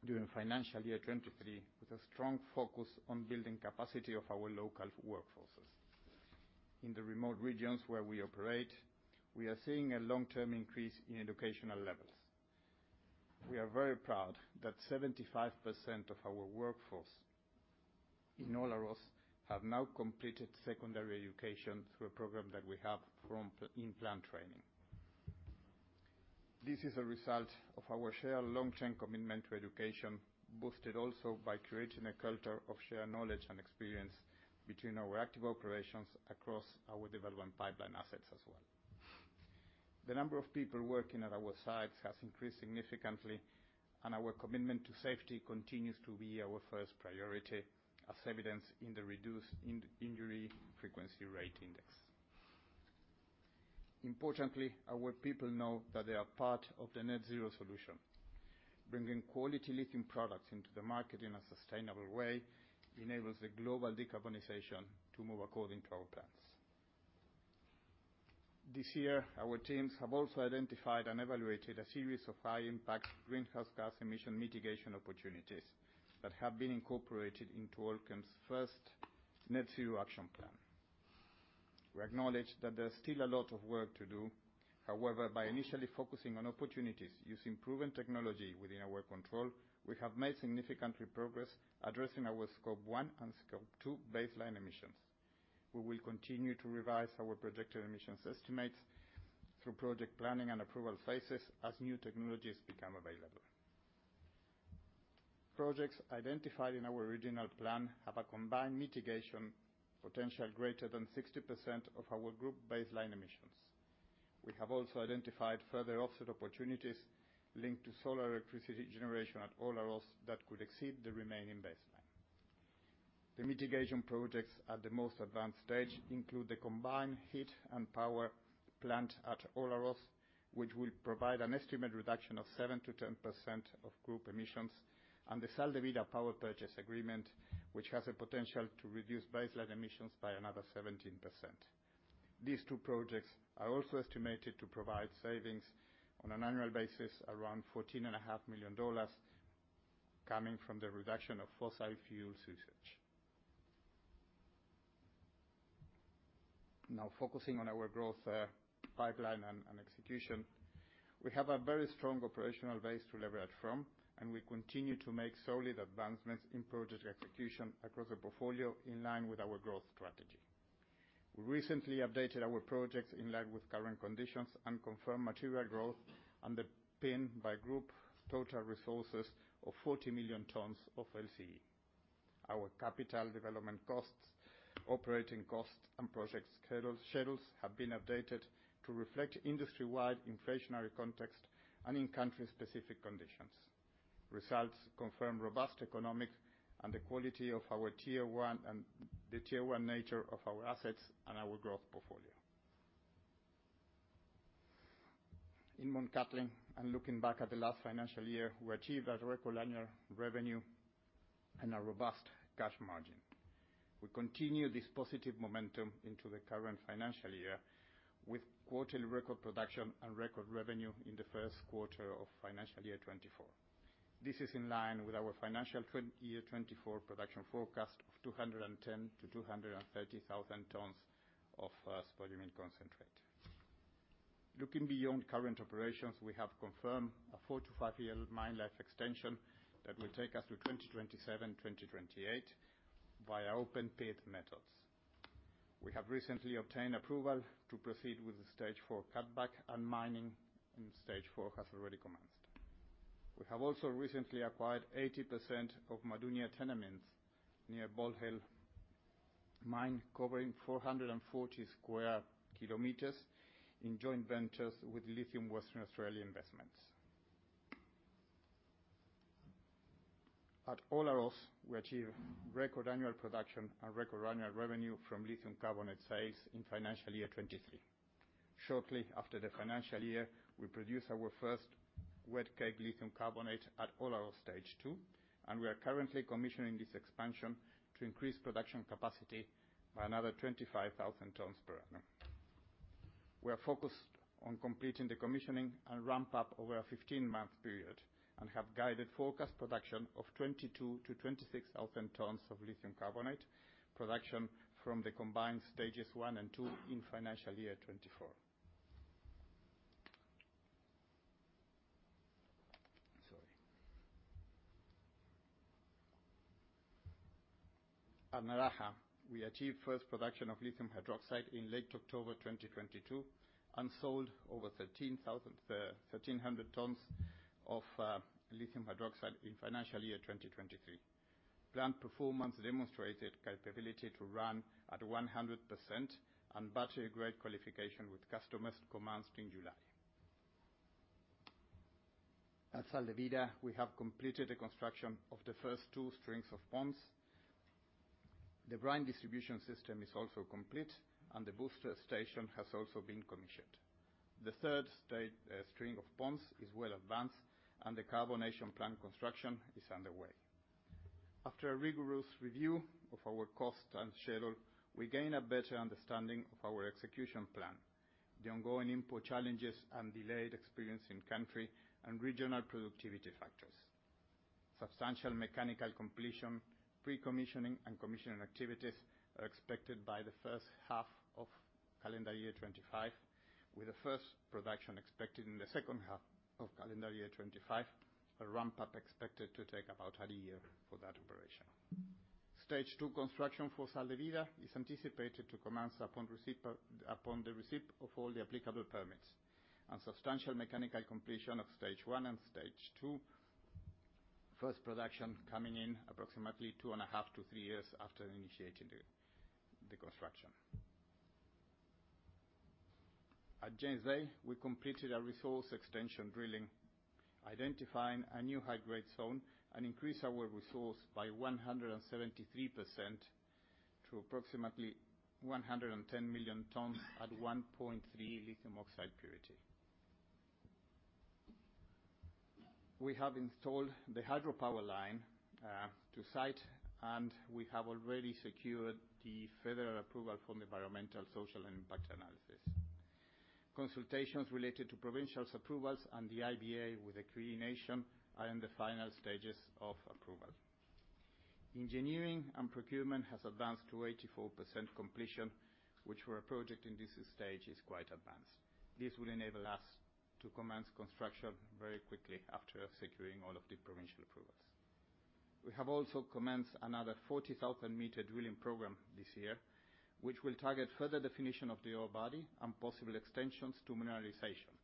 during financial year 2023, with a strong focus on building capacity of our local workforces. In the remote regions where we operate, we are seeing a long-term increase in educational levels. We are very proud that 75% of our workforce in Olaroz have now completed secondary education through a program that we have from in-plant training. This is a result of our shared long-term commitment to education, boosted also by creating a culture of shared knowledge and experience between our active operations across our development pipeline assets as well. The number of people working at our sites has increased significantly, and our commitment to safety continues to be our first priority, as evidenced in the reduced injury frequency rate index. Importantly, our people know that they are part of the net zero solution. Bringing quality lithium products into the market in a sustainable way enables the global decarbonization to move according to our plans.... This year, our teams have also identified and evaluated a series of high-impact greenhouse gas emission mitigation opportunities that have been incorporated into Allkem's first net zero action plan. We acknowledge that there's still a lot of work to do. However, by initially focusing on opportunities using proven technology within our control, we have made significant progress addressing our Scope 1 and Scope 2 baseline emissions. We will continue to revise our projected emissions estimates through project planning and approval phases as new technologies become available. Projects identified in our original plan have a combined mitigation potential greater than 60% of our group baseline emissions. We have also identified further offset opportunities linked to solar electricity generation at Olaroz that could exceed the remaining baseline. The mitigation projects at the most advanced stage include the combined heat and power plant at Olaroz, which will provide an estimated reduction of 7%-10% of group emissions, and the Sal de Vida power purchase agreement, which has a potential to reduce baseline emissions by another 17%. These two projects are also estimated to provide savings on an annual basis, around $14.5 million, coming from the reduction of fossil fuel usage. Now, focusing on our growth pipeline and execution. We have a very strong operational base to leverage from, and we continue to make solid advancements in project execution across the portfolio, in line with our growth strategy. We recently updated our projects in line with current conditions and confirmed material growth underpinned by group total resources of 40 million tons of LCE. Our capital development costs, operating costs, and project schedules have been updated to reflect industry-wide inflationary context and in-country specific conditions. Results confirm robust economics and the quality of our Tier 1 and the Tier 1 nature of our assets and our growth portfolio. In Mt Cattlin, and looking back at the last financial year, we achieved a record annual revenue and a robust cash margin. We continue this positive momentum into the current financial year, with quarterly record production and record revenue in the first quarter of financial year 2024. This is in line with our financial year 2024 production forecast of 210,000-230,000 tons of spodumene concentrate. Looking beyond current operations, we have confirmed a 4-5-year mine life extension that will take us to 2027, 2028, via open pit methods. We have recently obtained approval to proceed with the Stage 4 cutback and mining in Stage 4 has already commenced. We have also recently acquired 80% of Madunia tenements near Bald Hill Mine, covering 440 sq km in joint ventures with Lithium Western Australia Investments. At Olaroz, we achieved record annual production and record annual revenue from lithium carbonate sales in financial year 2023. Shortly after the financial year, we produced our first wet cake lithium carbonate at Olaroz Stage 2, and we are currently commissioning this expansion to increase production capacity by another 25,000 tons per annum. We are focused on completing the commissioning and ramp up over a 15-month period, and have guided forecast production of 22,000-26,000 tons of lithium carbonate production from the combined stages 1 and 2 in financial year 2024. Sorry. At Naraha, we achieved first production of lithium hydroxide in late October 2022 and sold over thirteen thousand, thirteen hundred tons of, lithium hydroxide in financial year 2023. Plant performance demonstrated capability to run at 100%, and battery grade qualification with customers commenced in July. At Sal de Vida, we have completed the construction of the first two strings of ponds. The brine distribution system is also complete, and the booster station has also been commissioned. The third string of ponds is well advanced, and the carbonation plant construction is underway. After a rigorous review of our cost and schedule, we gained a better understanding of our execution plan, the ongoing input challenges and delayed experience in country, and regional productivity factors. Substantial mechanical completion, pre-commissioning and commissioning activities are expected by the first half of calendar year 2025, with the first production expected in the second half of calendar year 2025. A ramp-up expected to take about a year for that operation. Stage 2 construction for Sal de Vida is anticipated to commence upon receipt of all the applicable permits. Substantial mechanical completion of Stage 1 and Stage 2, first production coming in approximately 2.5-3 years after initiating the construction. At James Bay, we completed a resource extension drilling, identifying a new high-grade zone and increased our resource by 173% to approximately 110 million tons at 1.3 lithium oxide purity. We have installed the hydropower line to site, and we have already secured the further approval from the environmental social impact analysis. Consultations related to provincial's approvals and the IBA with the Cree Nation are in the final stages of approval. Engineering and procurement has advanced to 84% completion, which for a project in this stage is quite advanced. This will enable us to commence construction very quickly after securing all of the provincial approvals. We have also commenced another 40,000-meter drilling program this year, which will target further definition of the ore body and possible extensions to mineralization,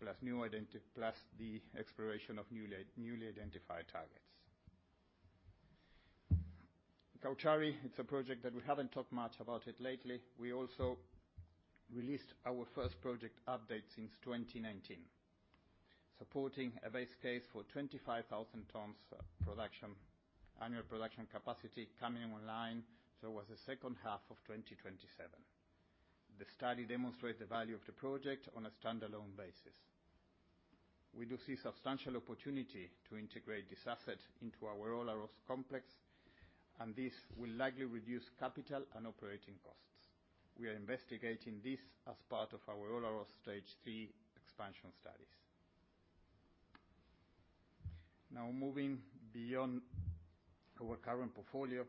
plus the exploration of newly identified targets. Cauchari, it's a project that we haven't talked much about it lately. We also released our first project update since 2019, supporting a base case for 25,000 tons of production, annual production capacity coming online towards the second half of 2027. The study demonstrate the value of the project on a standalone basis. We do see substantial opportunity to integrate this asset into our Olaroz complex, and this will likely reduce capital and operating costs. We are investigating this as part of our Olaroz Stage 3 expansion studies. Now, moving beyond our current portfolio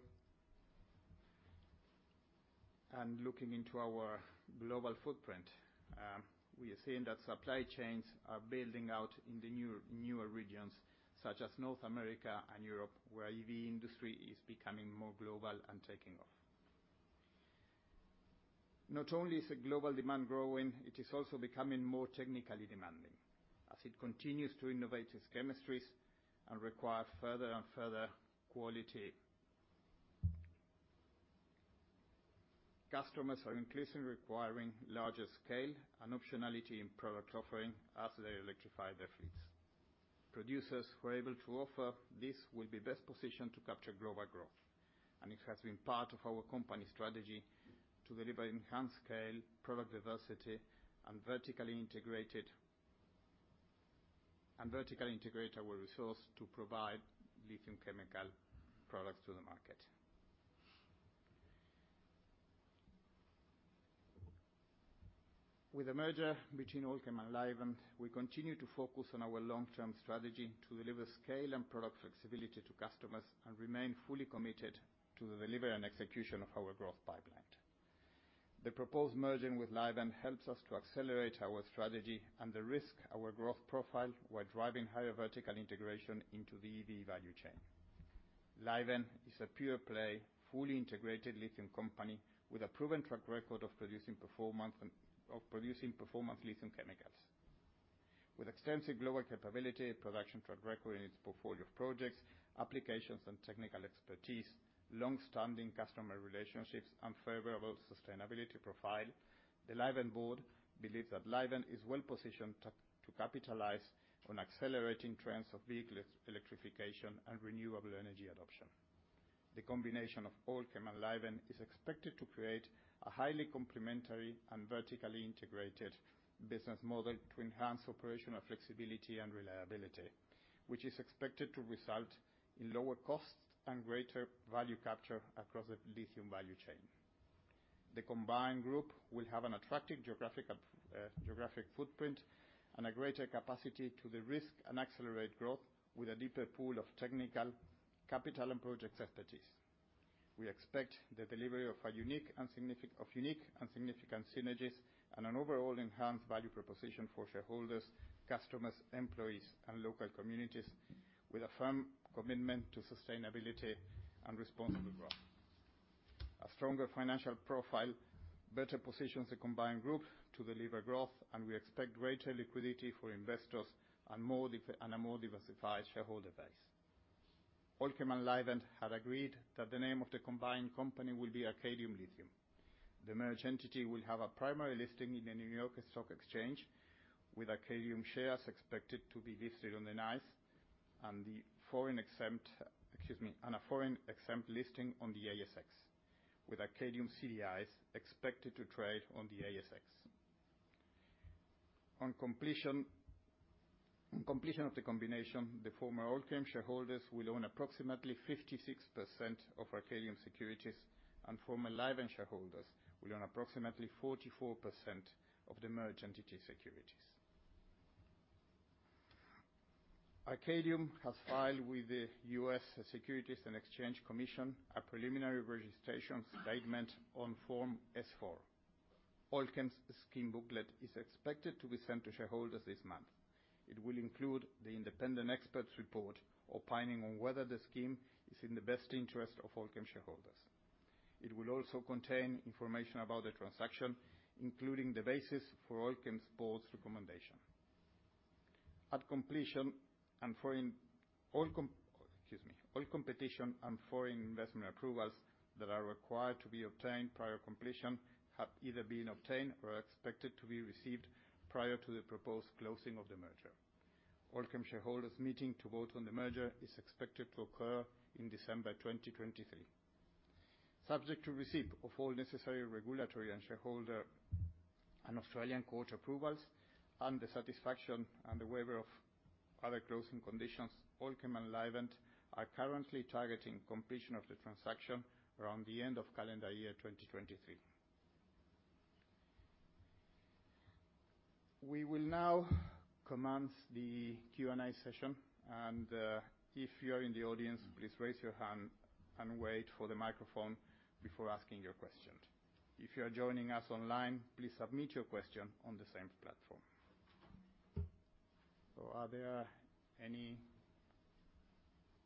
and looking into our global footprint, we are seeing that supply chains are building out in the new, newer regions such as North America and Europe, where EV industry is becoming more global and taking off. Not only is the global demand growing, it is also becoming more technically demanding as it continues to innovate its chemistries and require further and further quality. Customers are increasingly requiring larger scale and optionality in product offering as they electrify their fleets. Producers who are able to offer this will be best positioned to capture global growth, and it has been part of our company strategy to deliver enhanced scale, product diversity, and vertically integrated our resource to provide lithium chemical products to the market. With the merger between Allkem and Livent, we continue to focus on our long-term strategy to deliver scale and product flexibility to customers and remain fully committed to the delivery and execution of our growth pipeline. The proposed merging with Livent helps us to accelerate our strategy and de-risk our growth profile while driving higher vertical integration into the EV value chain. Livent is a pure-play, fully integrated lithium company with a proven track record of producing performance lithium chemicals. With extensive global capability, production track record in its portfolio of projects, applications and technical expertise, long-standing customer relationships, and favorable sustainability profile, the Livent board believes that Livent is well positioned to capitalize on accelerating trends of vehicle electrification and renewable energy adoption. The combination of Allkem and Livent is expected to create a highly complementary and vertically integrated business model to enhance operational flexibility and reliability, which is expected to result in lower costs and greater value capture across the lithium value chain. The combined group will have an attractive geographic footprint and a greater capacity to de-risk and accelerate growth with a deeper pool of technical capital and project expertise. We expect the delivery of unique and significant synergies and an overall enhanced value proposition for shareholders, customers, employees, and local communities with a firm commitment to sustainability and responsible growth. A stronger financial profile better positions the combined group to deliver growth, and we expect greater liquidity for investors and a more diversified shareholder base. Allkem and Livent have agreed that the name of the combined company will be Arcadium Lithium. The merged entity will have a primary listing in the New York Stock Exchange, with Arcadium shares expected to be listed on the NYSE and the foreign exempt, excuse me, and a foreign-exempt listing on the ASX, with Arcadium CDIs expected to trade on the ASX. On completion of the combination, the former Allkem shareholders will own approximately 56% of Arcadium securities, and former Livent shareholders will own approximately 44% of the merged entity securities. Arcadium has filed with the U.S. Securities and Exchange Commission a preliminary registration statement on Form S-IV. Allkem's scheme booklet is expected to be sent to shareholders this month. It will include the independent expert's report opining on whether the scheme is in the best interest of Allkem shareholders. It will also contain information about the transaction, including the basis for Allkem's board's recommendation. At completion, all competition and foreign investment approvals that are required to be obtained prior to completion have either been obtained or are expected to be received prior to the proposed closing of the merger. Allkem shareholders meeting to vote on the merger is expected to occur in December 2023, subject to receipt of all necessary regulatory and shareholder and Australian court approvals, and the satisfaction and the waiver of other closing conditions. Allkem and Livent are currently targeting completion of the transaction around the end of calendar year 2023. We will now commence the Q&A session, and if you are in the audience, please raise your hand and wait for the microphone before asking your question. If you are joining us online, please submit your question on the same platform. Are there any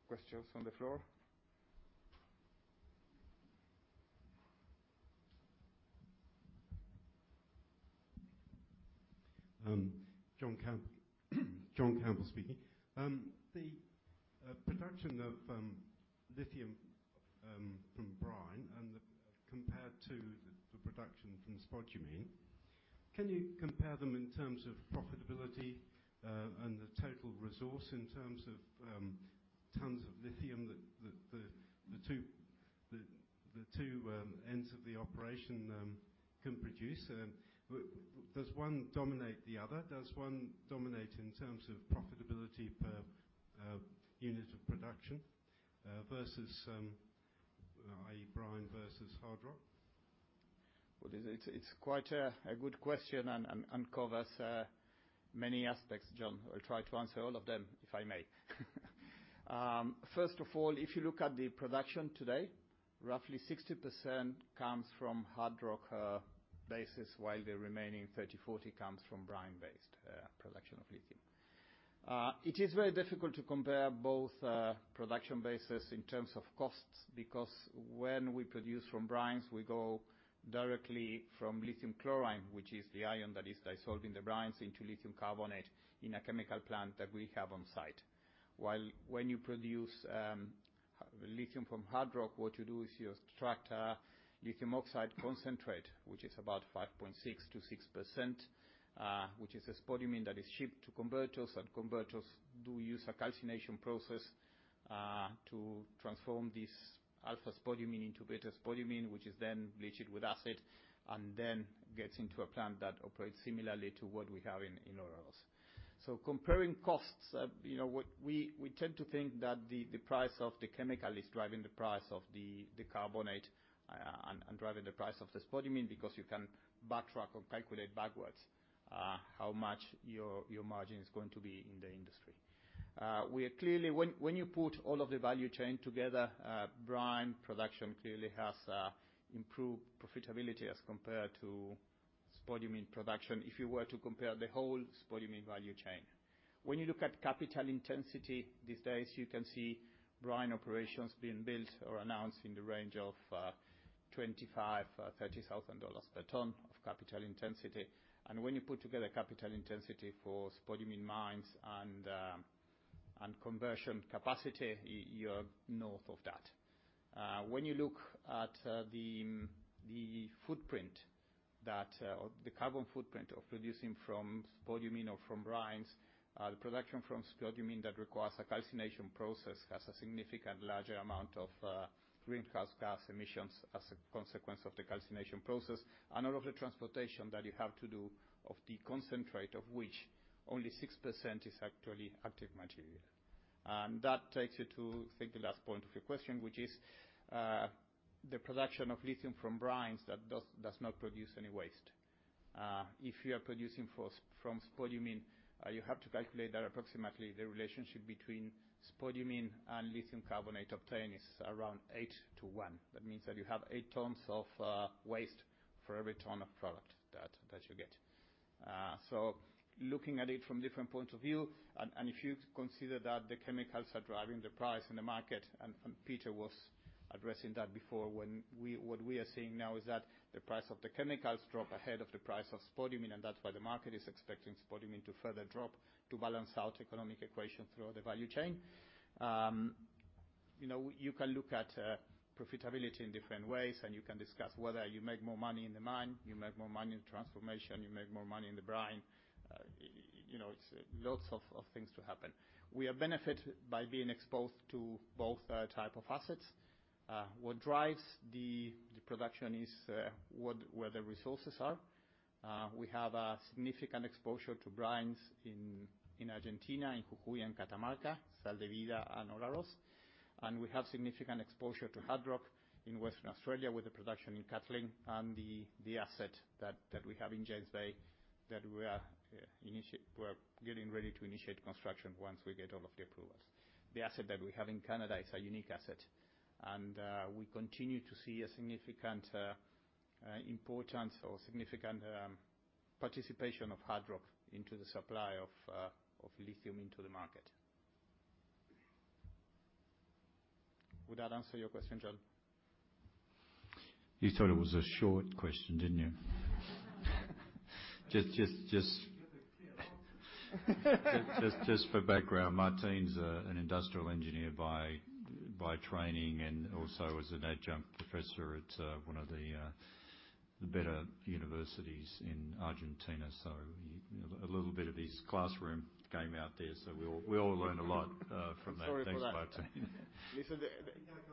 questions on the floor? John Campbell speaking. The production of lithium from brine and the—compared to the production from spodumene, can you compare them in terms of profitability, and the total resource in terms of tons of lithium that the two ends of the operation can produce? Does one dominate the other? Does one dominate in terms of profitability per unit of production, versus i.e., brine versus hard rock? Well, it's quite a good question and uncovers many aspects, John. I'll try to answer all of them, if I may. First of all, if you look at the production today, roughly 60% comes from hard rock basis, while the remaining 30%-40% comes from brine-based production of lithium. It is very difficult to compare both production bases in terms of costs because when we produce from brines, we go directly from lithium chloride, which is the ion that is dissolved in the brines, into lithium carbonate in a chemical plant that we have on site. While when you produce lithium from hard rock, what you do is you extract a lithium oxide concentrate, which is about 5.6%-6%, which is a spodumene that is shipped to converters and converters do use a calcination process to transform this alpha spodumene into beta spodumene, which is then bleached with acid, and then gets into a plant that operates similarly to what we have in Olaroz. So comparing costs, you know what, we tend to think that the price of the chemical is driving the price of the carbonate and driving the price of the spodumene because you can backtrack or calculate backwards how much your margin is going to be in the industry. We are clearly... When you put all of the value chain together, brine production clearly has improved profitability as compared to spodumene production if you were to compare the whole spodumene value chain. When you look at capital intensity, these days, you can see brine operations being built or announced in the range of $25,000-$30,000 per ton of capital intensity. When you put together capital intensity for spodumene mines and conversion capacity, you're north of that. When you look at the footprint that or the carbon footprint of producing from spodumene or from brines, the production from spodumene that requires a calcination process, has a significantly larger amount of, greenhouse gas emissions as a consequence of the calcination process, and all of the transportation that you have to do of the concentrate, of which only 6% is actually active material. And that takes you to, I think, the last point of your question, which is, the production of lithium from brines, that does not produce any waste. If you are producing from spodumene, you have to calculate that approximately the relationship between spodumene and lithium carbonate obtained is around 8-to-1. That means that you have 8 tons of waste for every ton of product that you get. So looking at it from different points of view, and if you consider that the chemicals are driving the price in the market, and Peter was addressing that before, what we are seeing now is that the price of the chemicals drop ahead of the price of spodumene, and that's why the market is expecting spodumene to further drop to balance out economic equation throughout the value chain. You know, you can look at profitability in different ways, and you can discuss whether you make more money in the mine, you make more money in transformation, you make more money in the brine. You know, it's lots of things to happen. We are benefit by being exposed to both type of assets. What drives the production is where the resources are. We have a significant exposure to brines in Argentina, in Jujuy and Catamarca, Sal de Vida and Olaroz, and we have significant exposure to hard rock in Western Australia with the production in Cattlin and the asset that we have in James Bay. We're getting ready to initiate construction once we get all of the approvals. The asset that we have in Canada is a unique asset, and we continue to see a significant importance or significant participation of hard rock into the supply of lithium into the market. Would that answer your question, John? You thought it was a short question, didn't you? Just for background, Martin’s an industrial engineer by training and also is an adjunct professor at one of the better universities in Argentina. So, a little bit of his classroom came out there. So we all, we all learn a lot from that. I'm sorry for that. Thanks, Martin. Listen, the- I think I got the answer, did I? Did I get the answer right in thinking that the cost of production of brine is cheaper than hard rock per ton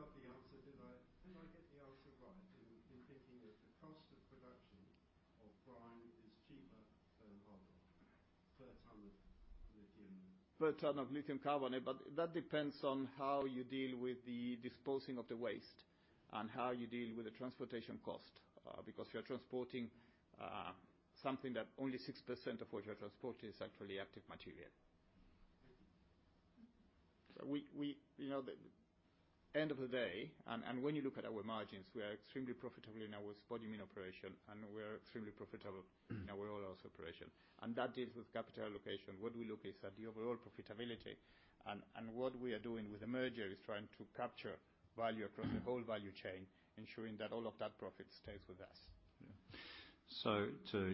of lithium? Per ton of lithium carbonate, but that depends on how you deal with the disposing of the waste and how you deal with the transportation cost. Because if you're transporting, something that only 6% of what you're transporting is actually active material. Thank you. You know, at the end of the day, when you look at our margins, we are extremely profitable in our spodumene operation, and we're extremely profitable- Mm-hmm in our Olaroz operation, and that deals with capital allocation. What we look is at the overall profitability, and what we are doing with the merger is trying to capture value across the whole value chain, ensuring that all of that profit stays with us. Yeah. So to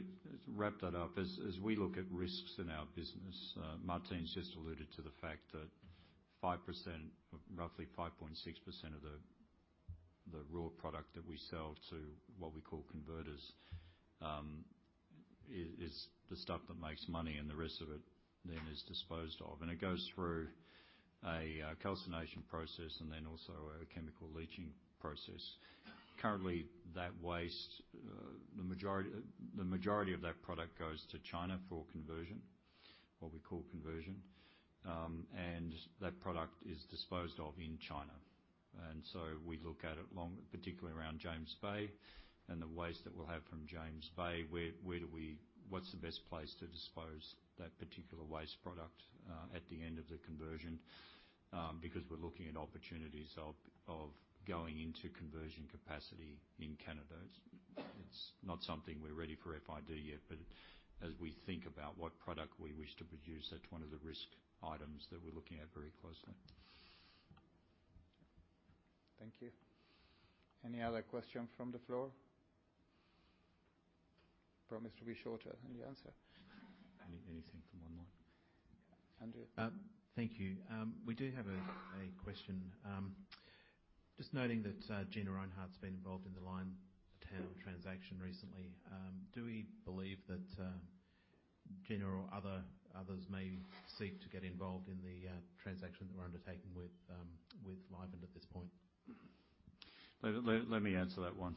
wrap that up, as we look at risks in our business, Martin's just alluded to the fact that 5%, roughly 5.6% of the raw product that we sell to, what we call converters, is the stuff that makes money, and the rest of it then is disposed of. And it goes through a calcination process and then also a chemical leaching process. Currently, that waste, the majority of that product goes to China for conversion, what we call conversion. And that product is disposed of in China. And so we look at it long- particularly around James Bay and the waste that we'll have from James Bay, where do we what's the best place to dispose that particular waste product at the end of the conversion? Because we're looking at opportunities of going into conversion capacity in Canada. It's not something we're ready for FID yet, but as we think about what product we wish to produce, that's one of the risk items that we're looking at very closely. Thank you. Any other question from the floor? Promise to be shorter in the answer. Any, anything from online? Andrew? Thank you. We do have a question. Just noting that Gina Rinehart's been involved in the Liontown transaction recently. Do we believe that Gina or others may seek to get involved in the transaction that we're undertaking with Livent at this point? Let me answer that one.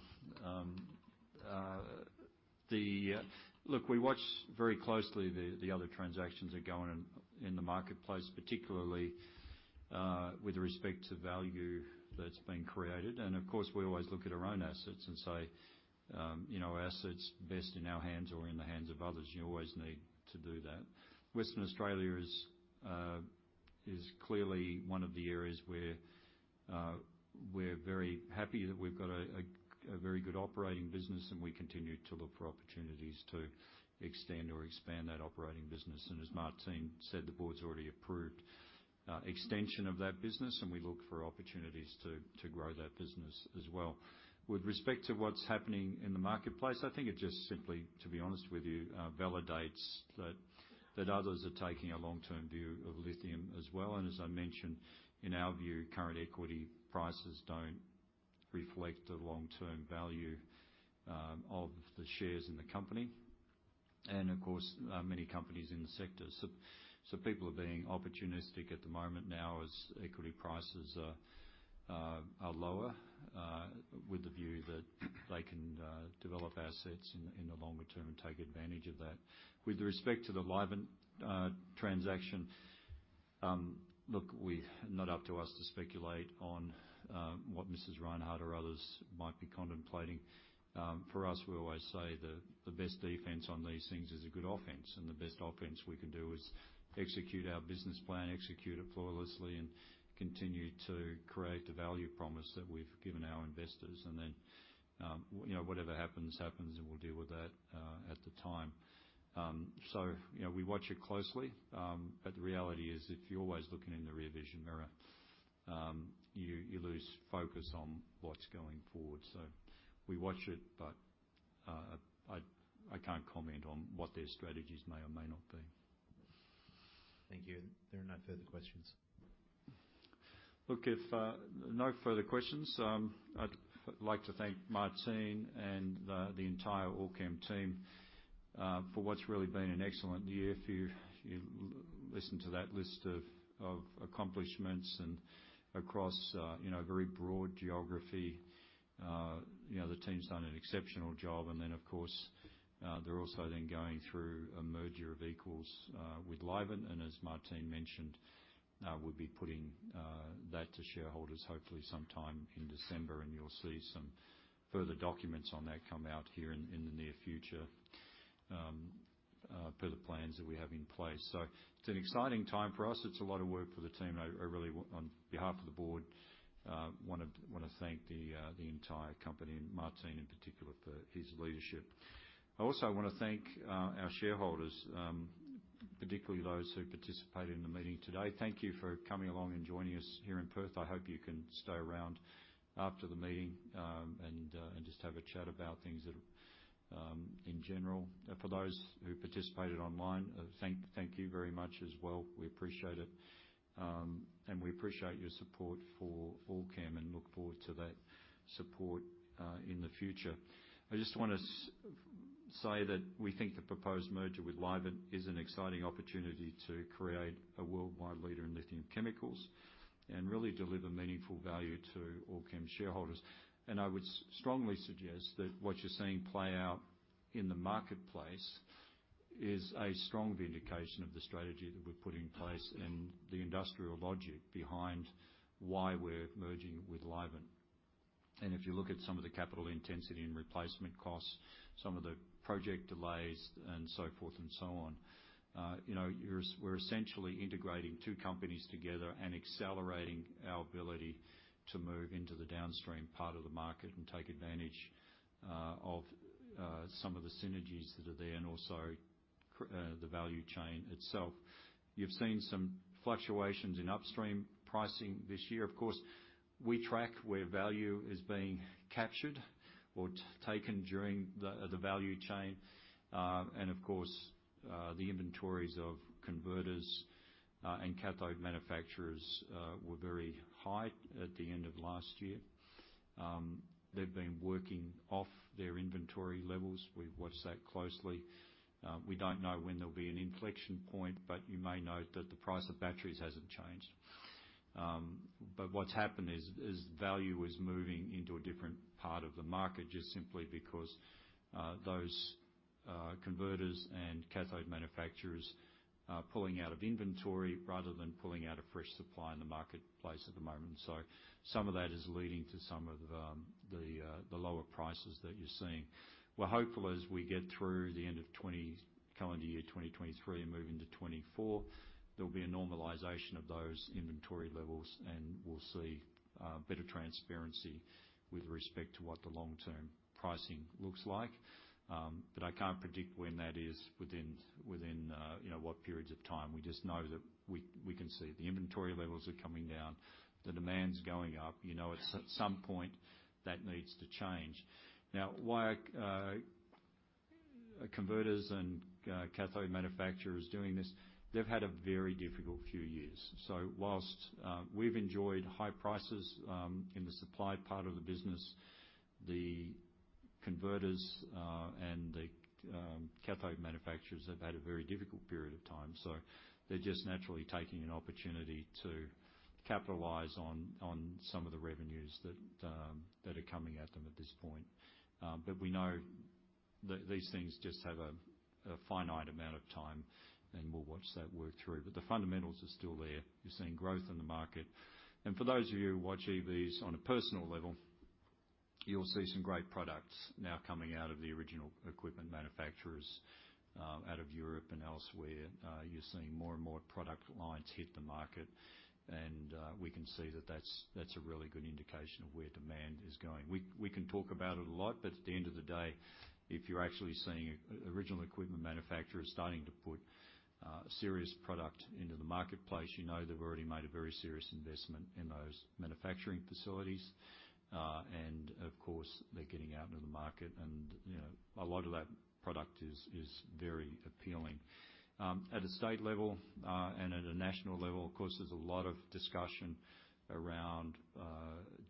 Look, we watch very closely the other transactions that are going in the marketplace, particularly with respect to value that's been created. And of course, we always look at our own assets and say, you know, are assets best in our hands or in the hands of others? You always need to do that. Western Australia is clearly one of the areas where we're very happy that we've got a very good operating business, and we continue to look for opportunities to extend or expand that operating business. And as Martin said, the board's already approved extension of that business, and we look for opportunities to grow that business as well. With respect to what's happening in the marketplace, I think it just simply, to be honest with you, validates that others are taking a long-term view of lithium as well. And as I mentioned, in our view, current equity prices don't reflect the long-term value of the shares in the company and, of course, many companies in the sector. So people are being opportunistic at the moment now as equity prices are lower, with the view that they can develop assets in the longer term and take advantage of that. With respect to the Livent transaction, look, not up to us to speculate on what Mrs. Rinehart or others might be contemplating. For us, we always say that the best defense on these things is a good offense, and the best offense we can do is execute our business plan, execute it flawlessly, and continue to create the value promise that we've given our investors. And then, you know, whatever happens, happens, and we'll deal with that at the time. So, you know, we watch it closely, but the reality is, if you're always looking in the rear vision mirror, you lose focus on what's going forward. So we watch it, but I can't comment on what their strategies may or may not be. Thank you. There are no further questions. Look, if no further questions, I'd like to thank Martin and the entire Allkem team for what's really been an excellent year. If you listened to that list of accomplishments and across a very broad geography, you know, the team's done an exceptional job. And then, of course, they're also then going through a merger of equals with Livent, and as Martin mentioned, we'll be putting that to shareholders hopefully sometime in December. And you'll see some further documents on that come out here in the near future, per the plans that we have in place. So it's an exciting time for us. It's a lot of work for the team, and I really, on behalf of the board, want to thank the entire company and Martin in particular for his leadership. I also want to thank our shareholders, particularly those who participated in the meeting today. Thank you for coming along and joining us here in Perth. I hope you can stay around after the meeting and just have a chat about things in general, for those who participated online, thank you very much as well. We appreciate it, and we appreciate your support for Allkem and look forward to that support in the future. I just wanna say that we think the proposed merger with Livent is an exciting opportunity to create a worldwide leader in lithium chemicals and really deliver meaningful value to Allkem shareholders. And I would strongly suggest that what you're seeing play out in the marketplace is a strong vindication of the strategy that we've put in place and the industrial logic behind why we're merging with Livent. And if you look at some of the capital intensity and replacement costs, some of the project delays and so forth and so on, you know, we're essentially integrating two companies together and accelerating our ability to move into the downstream part of the market and take advantage of some of the synergies that are there, and also the value chain itself. You've seen some fluctuations in upstream pricing this year. Of course, we track where value is being captured or taken during the value chain. And of course, the inventories of converters and cathode manufacturers were very high at the end of last year. They've been working off their inventory levels. We've watched that closely. We don't know when there'll be an inflection point, but you may note that the price of batteries hasn't changed. But what's happened is value is moving into a different part of the market, just simply because those converters and cathode manufacturers are pulling out of inventory rather than pulling out a fresh supply in the marketplace at the moment. So some of that is leading to some of the lower prices that you're seeing. We're hopeful as we get through the end of 2023, calendar year 2023 and move into 2024, there'll be a normalization of those inventory levels, and we'll see better transparency with respect to what the long-term pricing looks like. But I can't predict when that is within, within you know, what periods of time. We just know that we, we can see the inventory levels are coming down, the demand's going up. You know, at some point, that needs to change. Now, why are converters and cathode manufacturers doing this? They've had a very difficult few years. So whilst we've enjoyed high prices in the supply part of the business, the converters and the cathode manufacturers have had a very difficult period of time. So they're just naturally taking an opportunity to capitalize on, on some of the revenues that, that are coming at them at this point. But we know that these things just have a, a finite amount of time, and we'll watch that work through. But the fundamentals are still there. You're seeing growth in the market. And for those of you who watch EVs on a personal level, you'll see some great products now coming out of the original equipment manufacturers, out of Europe and elsewhere. You're seeing more and more product lines hit the market, and, we can see that that's, that's a really good indication of where demand is going. We can talk about it a lot, but at the end of the day, if you're actually seeing original equipment manufacturers starting to put serious product into the marketplace, you know they've already made a very serious investment in those manufacturing facilities. And of course, they're getting out into the market, and you know, a lot of that product is very appealing. At a state level and at a national level, of course, there's a lot of discussion around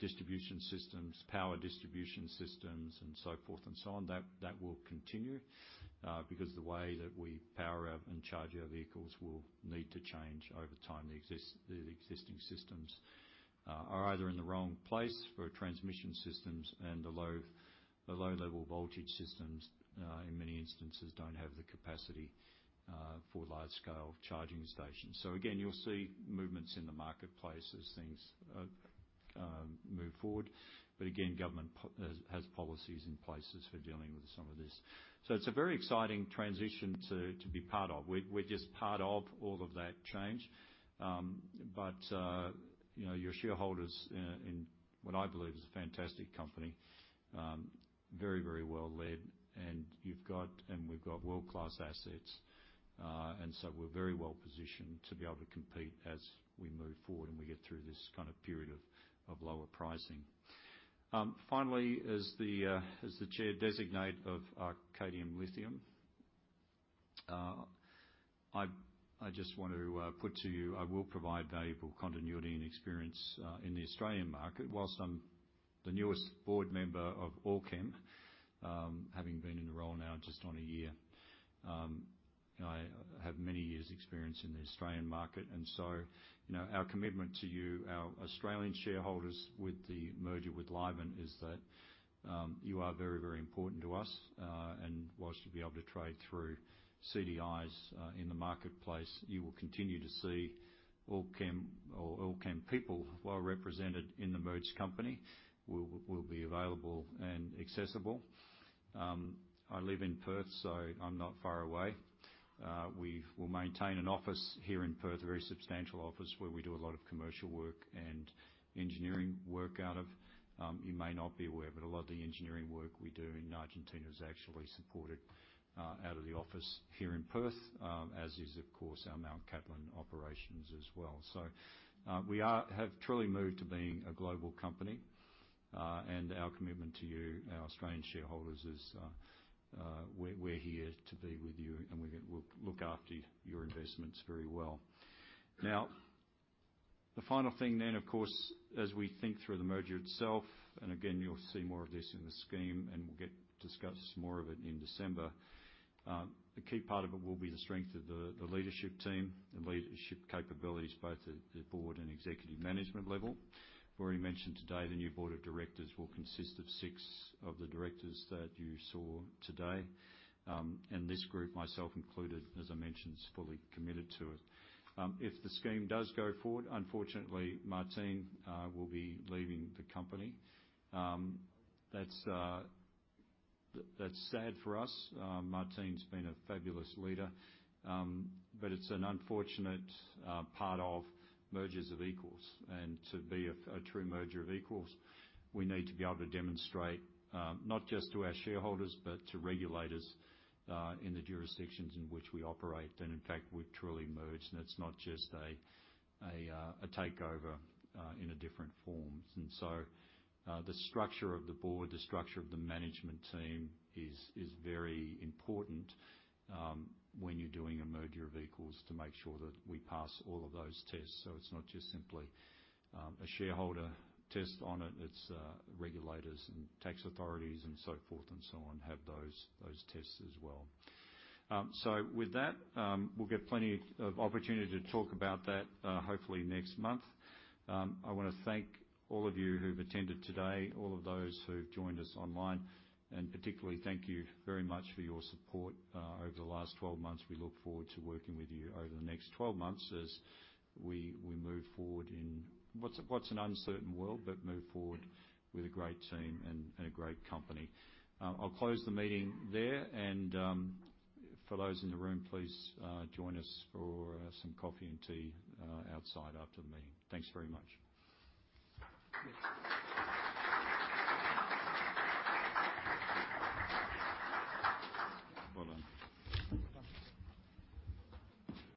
distribution systems, power distribution systems, and so forth and so on. That will continue because the way that we power our and charge our vehicles will need to change over time. The existing systems are either in the wrong place for transmission systems, and the low-level voltage systems, in many instances, don't have the capacity for large-scale charging stations. So again, you'll see movements in the marketplace as things move forward. But again, government has policies in place for dealing with some of this. So it's a very exciting transition to be part of. We're just part of all of that change. But you know, you're shareholders in what I believe is a fantastic company. Very well led, and you've got and we've got world-class assets. And so we're very well-positioned to be able to compete as we move forward, and we get through this kind of period of lower pricing. Finally, as the Chair designate of Arcadium Lithium, I just want to put to you, I will provide valuable continuity and experience in the Australian market. While I'm the newest board member of Allkem, having been in the role now just on a year, I have many years' experience in the Australian market. And so, you know, our commitment to you, our Australian shareholders, with the merger with Livent, is that you are very, very important to us. And while you'll be able to trade through CDIs in the marketplace, you will continue to see Allkem or Allkem people well represented in the merged company, will be available and accessible. I live in Perth, so I'm not far away. We will maintain an office here in Perth, a very substantial office, where we do a lot of commercial work and engineering work out of. You may not be aware, but a lot of the engineering work we do in Argentina is actually supported out of the office here in Perth, as is of course, our Mt Cattlin operations as well. We have truly moved to being a global company, and our commitment to you, our Australian shareholders, is, we're here to be with you, and we'll look after your investments very well. Now, the final thing then, of course, as we think through the merger itself, and again, you'll see more of this in the scheme, and we'll get to discuss more of it in December. The key part of it will be the strength of the leadership team, the leadership capabilities, both at the board and executive management level. I've already mentioned today, the new board of directors will consist of six of the directors that you saw today. And this group, myself included, as I mentioned, is fully committed to it. If the scheme does go forward, unfortunately, Martine will be leaving the company. That's sad for us. Martine's been a fabulous leader. But it's an unfortunate part of mergers of equals. To be a true merger of equals, we need to be able to demonstrate, not just to our shareholders, but to regulators, in the jurisdictions in which we operate, and in fact, we've truly merged, and it's not just a takeover in a different form. So, the structure of the board, the structure of the management team is very important, when you're doing a merger of equals, to make sure that we pass all of those tests. So it's not just simply a shareholder test on it, it's regulators and tax authorities and so forth, and so on, have those tests as well. So with that, we'll get plenty of opportunity to talk about that, hopefully next month. I wanna thank all of you who've attended today, all of those who've joined us online, and particularly, thank you very much for your support over the last 12 months. We look forward to working with you over the next 12 months as we move forward in what's an uncertain world, but move forward with a great team and a great company. I'll close the meeting there, and for those in the room, please join us for some coffee and tea outside after the meeting. Thanks very much. Well done.